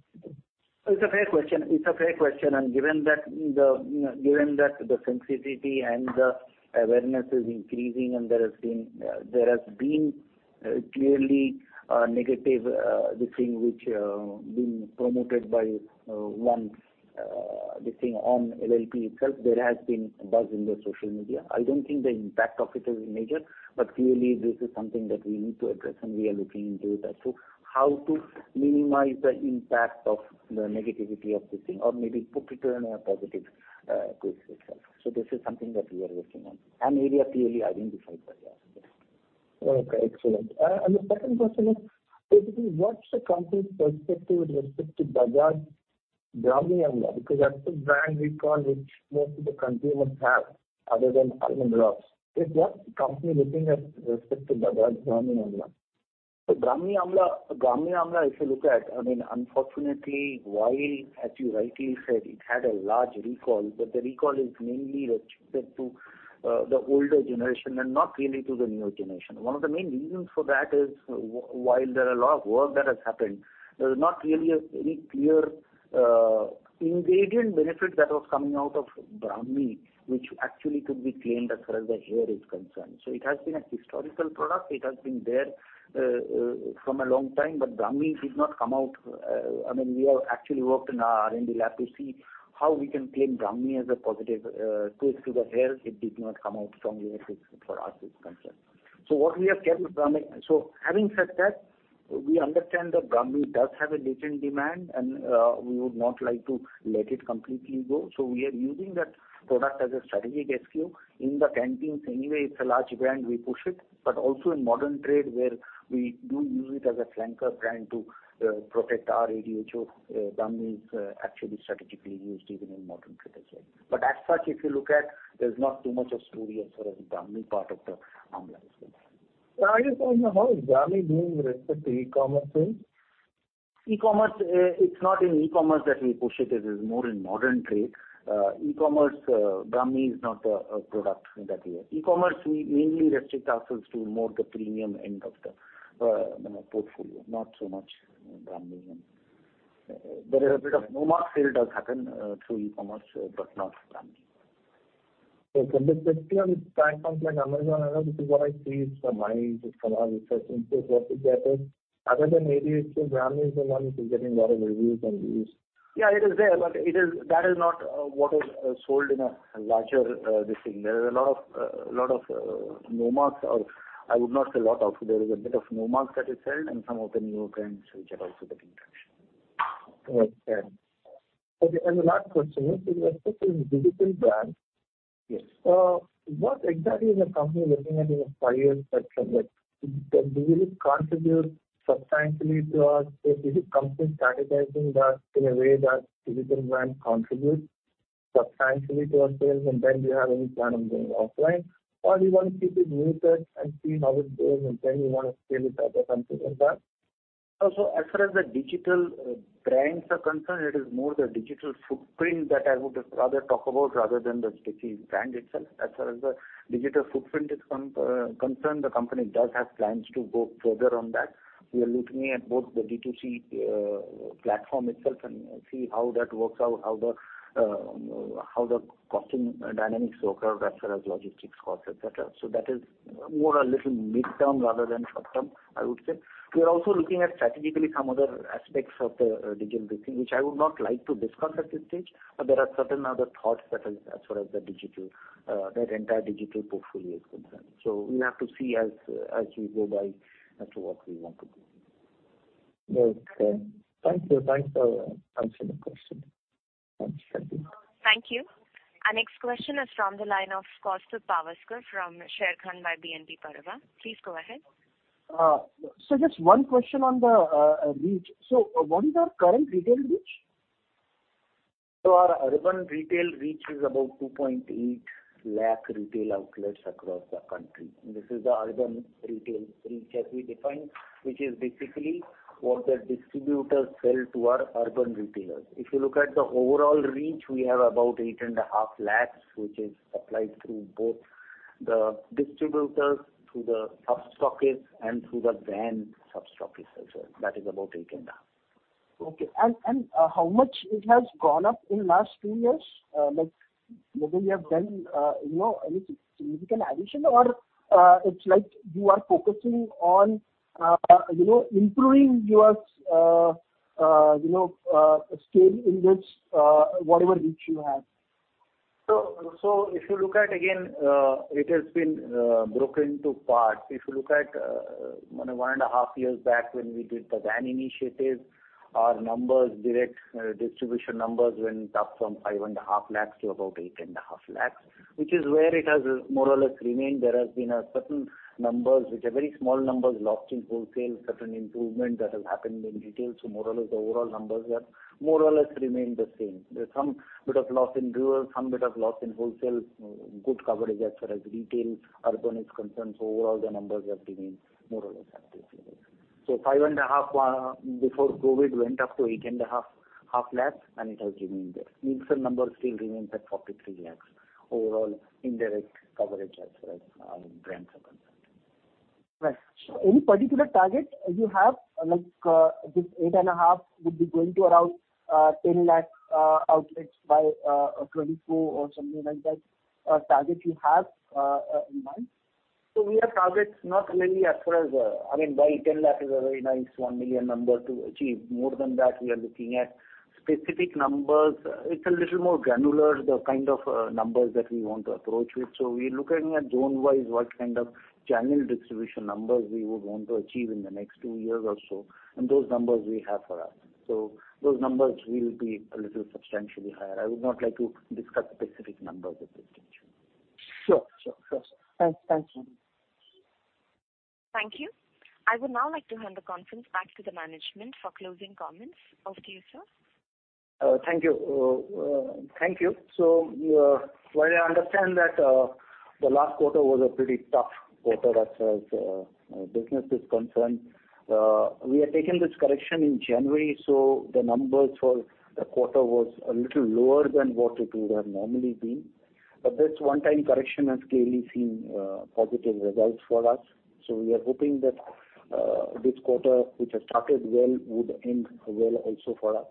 It's a fair question. Given that the sensitivity and the awareness is increasing and there has been clearly a negative this thing which been promoted by one this thing on LLP itself, there has been a buzz in the social media. I don't think the impact of it is major, but clearly this is something that we need to address, and we are looking into that. How to minimize the impact of the negativity of this thing or maybe put it in a positive place itself. This is something that we are working on, an area clearly identified by us. Okay, excellent. And the second question is, basically, what's the company's perspective with respect to Bajaj Brahmi Amla? Because that's the brand recall which most of the consumers have other than Almond Drops. Is that company looking at with respect to Bajaj Brahmi Amla? Bajaj Brahmi Amla, if you look at, I mean, unfortunately, while, as you rightly said, it had a large recall, but the recall is mainly restricted to the older generation and not really to the newer generation. One of the main reasons for that is while there are a lot of work that has happened, there's not really any clear ingredient benefit that was coming out of Brahmi, which actually could be claimed as far as the hair is concerned. It has been a historical product. It has been there from a long time, but Brahmi did not come out. I mean, we have actually worked in our R&D lab to see how we can claim Brahmi as a positive twist to the hair. It did not come out strongly as far as we are concerned. Having said that, we understand that Brahmi does have a latent demand and we would not like to let it completely go. We are using that product as a strategic SKU. In the canteens anyway, it's a large brand. We push it. Also in modern trade where we do use it as a flanker brand to protect our ADHO, Brahmi is actually strategically used even in modern trade as well. As such, if you look at it, there's not too much of a story as far as the Brahmi part of the Amla is concerned. I just want to know, how is Brahmi doing with respect to e-commerce sales? E-commerce, it's not in e-commerce that we push it. It is more in modern trade. E-commerce, Brahmi is not a product that we have. E-commerce, we mainly restrict ourselves to more the premium end of the, you know, portfolio, not so much Brahmi. There is a bit of Natyv sales do happen through e-commerce, but not Brahmi. From the 50 on platforms like Amazon, I know this is what I see. It's from my research into what is there. Other than maybe it's the brand is the one which is getting a lot of reviews and views. Yeah, it is there, but that is not what is sold in a larger listing. There is a lot of NOMARKS or I would not say lot of. There is a bit of NOMARKS that is sold, and some of the newer brands which are also getting traction. Okay. The last question is, you were talking digital brands. Yes. What exactly is the company looking at in the five-year spectrum? Like, does it contribute substantially to our sales? Is the company strategizing that in a way that digital brand contributes substantially to our sales, and then do you have any plan on going offline? Or do you want to keep it muted and see how it's doing, and then you wanna scale it up or something like that? As far as the digital brands are concerned, it is more the digital footprint that I would rather talk about rather than the sticky brand itself. As far as the digital footprint is concerned, the company does have plans to go further on that. We are looking at both the D2C platform itself and see how that works out, how the costing dynamics work out as far as logistics costs, et cetera. That is more a little midterm rather than short term, I would say. We are also looking at strategically some other aspects of the digital business, which I would not like to discuss at this stage, but there are certain other thoughts that is as far as the digital, that entire digital portfolio is concerned. We have to see as we go by as to what we want to do. Okay. Thank you. Thanks for answering the question. Thanks. Thank you. Our next question is from the line of Kaustubh Pawaskar from Sharekhan by BNP Paribas. Please go ahead. Just one question on the reach. What is our current retail reach? Our urban retail reach is about 2.8 lakh retail outlets across the country. This is the urban retail reach as we define, which is basically what the distributors sell to our urban retailers. If you look at the overall reach, we have about 8.5 lakhs, which is supplied through both the distributors, through the sub-stockists and through the van sub-stockists as well. That is about 8.5. Okay. How much it has gone up in last two years? Like whether you have done, you know, any significant addition or, it's like you are focusing on, you know, improving your, you know, scale in which, whatever reach you have. If you look at again, it has been broken into parts. If you look at 1.5 years back when we did the van initiative, our direct distribution numbers went up from 5.5 lakhs to about 8.5 lakhs, which is where it has more or less remained. There has been a certain numbers, which are very small numbers lost in wholesale, certain improvement that has happened in retail. More or less the overall numbers have more or less remained the same. There's some bit of loss in rural, some bit of loss in wholesale, good coverage as far as retail urban is concerned. Overall the numbers have remained more or less at this level. 5.5 before COVID went up to 8.5 lakhs, and it has remained there. Overall number still remains at 43 lakhs, overall indirect coverage as far as our brands are concerned. Right. Any particular target you have, like, this 8.5 would be going to around 10 lakh outlets by 2024 or something like that, target you have in mind? We have targets not really as far as, I mean, by 10 lakh is a very nice 1 million number to achieve. More than that, we are looking at specific numbers. It's a little more granular, the kind of numbers that we want to approach with. We're looking at zone-wise, what kind of channel distribution numbers we would want to achieve in the next 2 years or so, and those numbers we have for us. Those numbers will be a little substantially higher. I would not like to discuss specific numbers at this stage. Sure, sir. Thanks a lot. Thank you. I would now like to hand the conference back to the management for closing comments. Over to you, sir. Thank you. While I understand that the last quarter was a pretty tough quarter as far as business is concerned, we have taken this correction in January, so the numbers for the quarter was a little lower than what it would have normally been. This one-time correction has clearly seen positive results for us. We are hoping that this quarter, which has started well, would end well also for us.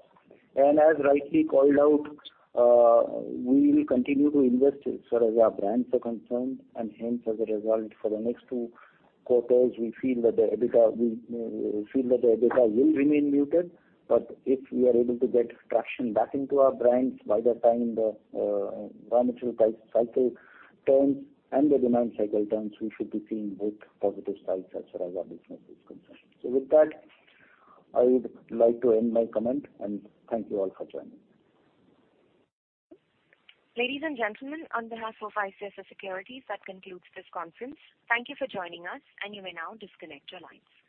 As rightly called out, we will continue to invest as far as our brands are concerned, and hence as a result, for the next two quarters, we feel that the EBITDA will remain muted. If we are able to get traction back into our brands by the time the buying cycle turns and the demand cycle turns, we should be seeing both positive sides as far as our business is concerned. With that, I would like to end my comment, and thank you all for joining. Ladies and gentlemen, on behalf of ICICI Securities, that concludes this conference. Thank you for joining us, and you may now disconnect your lines.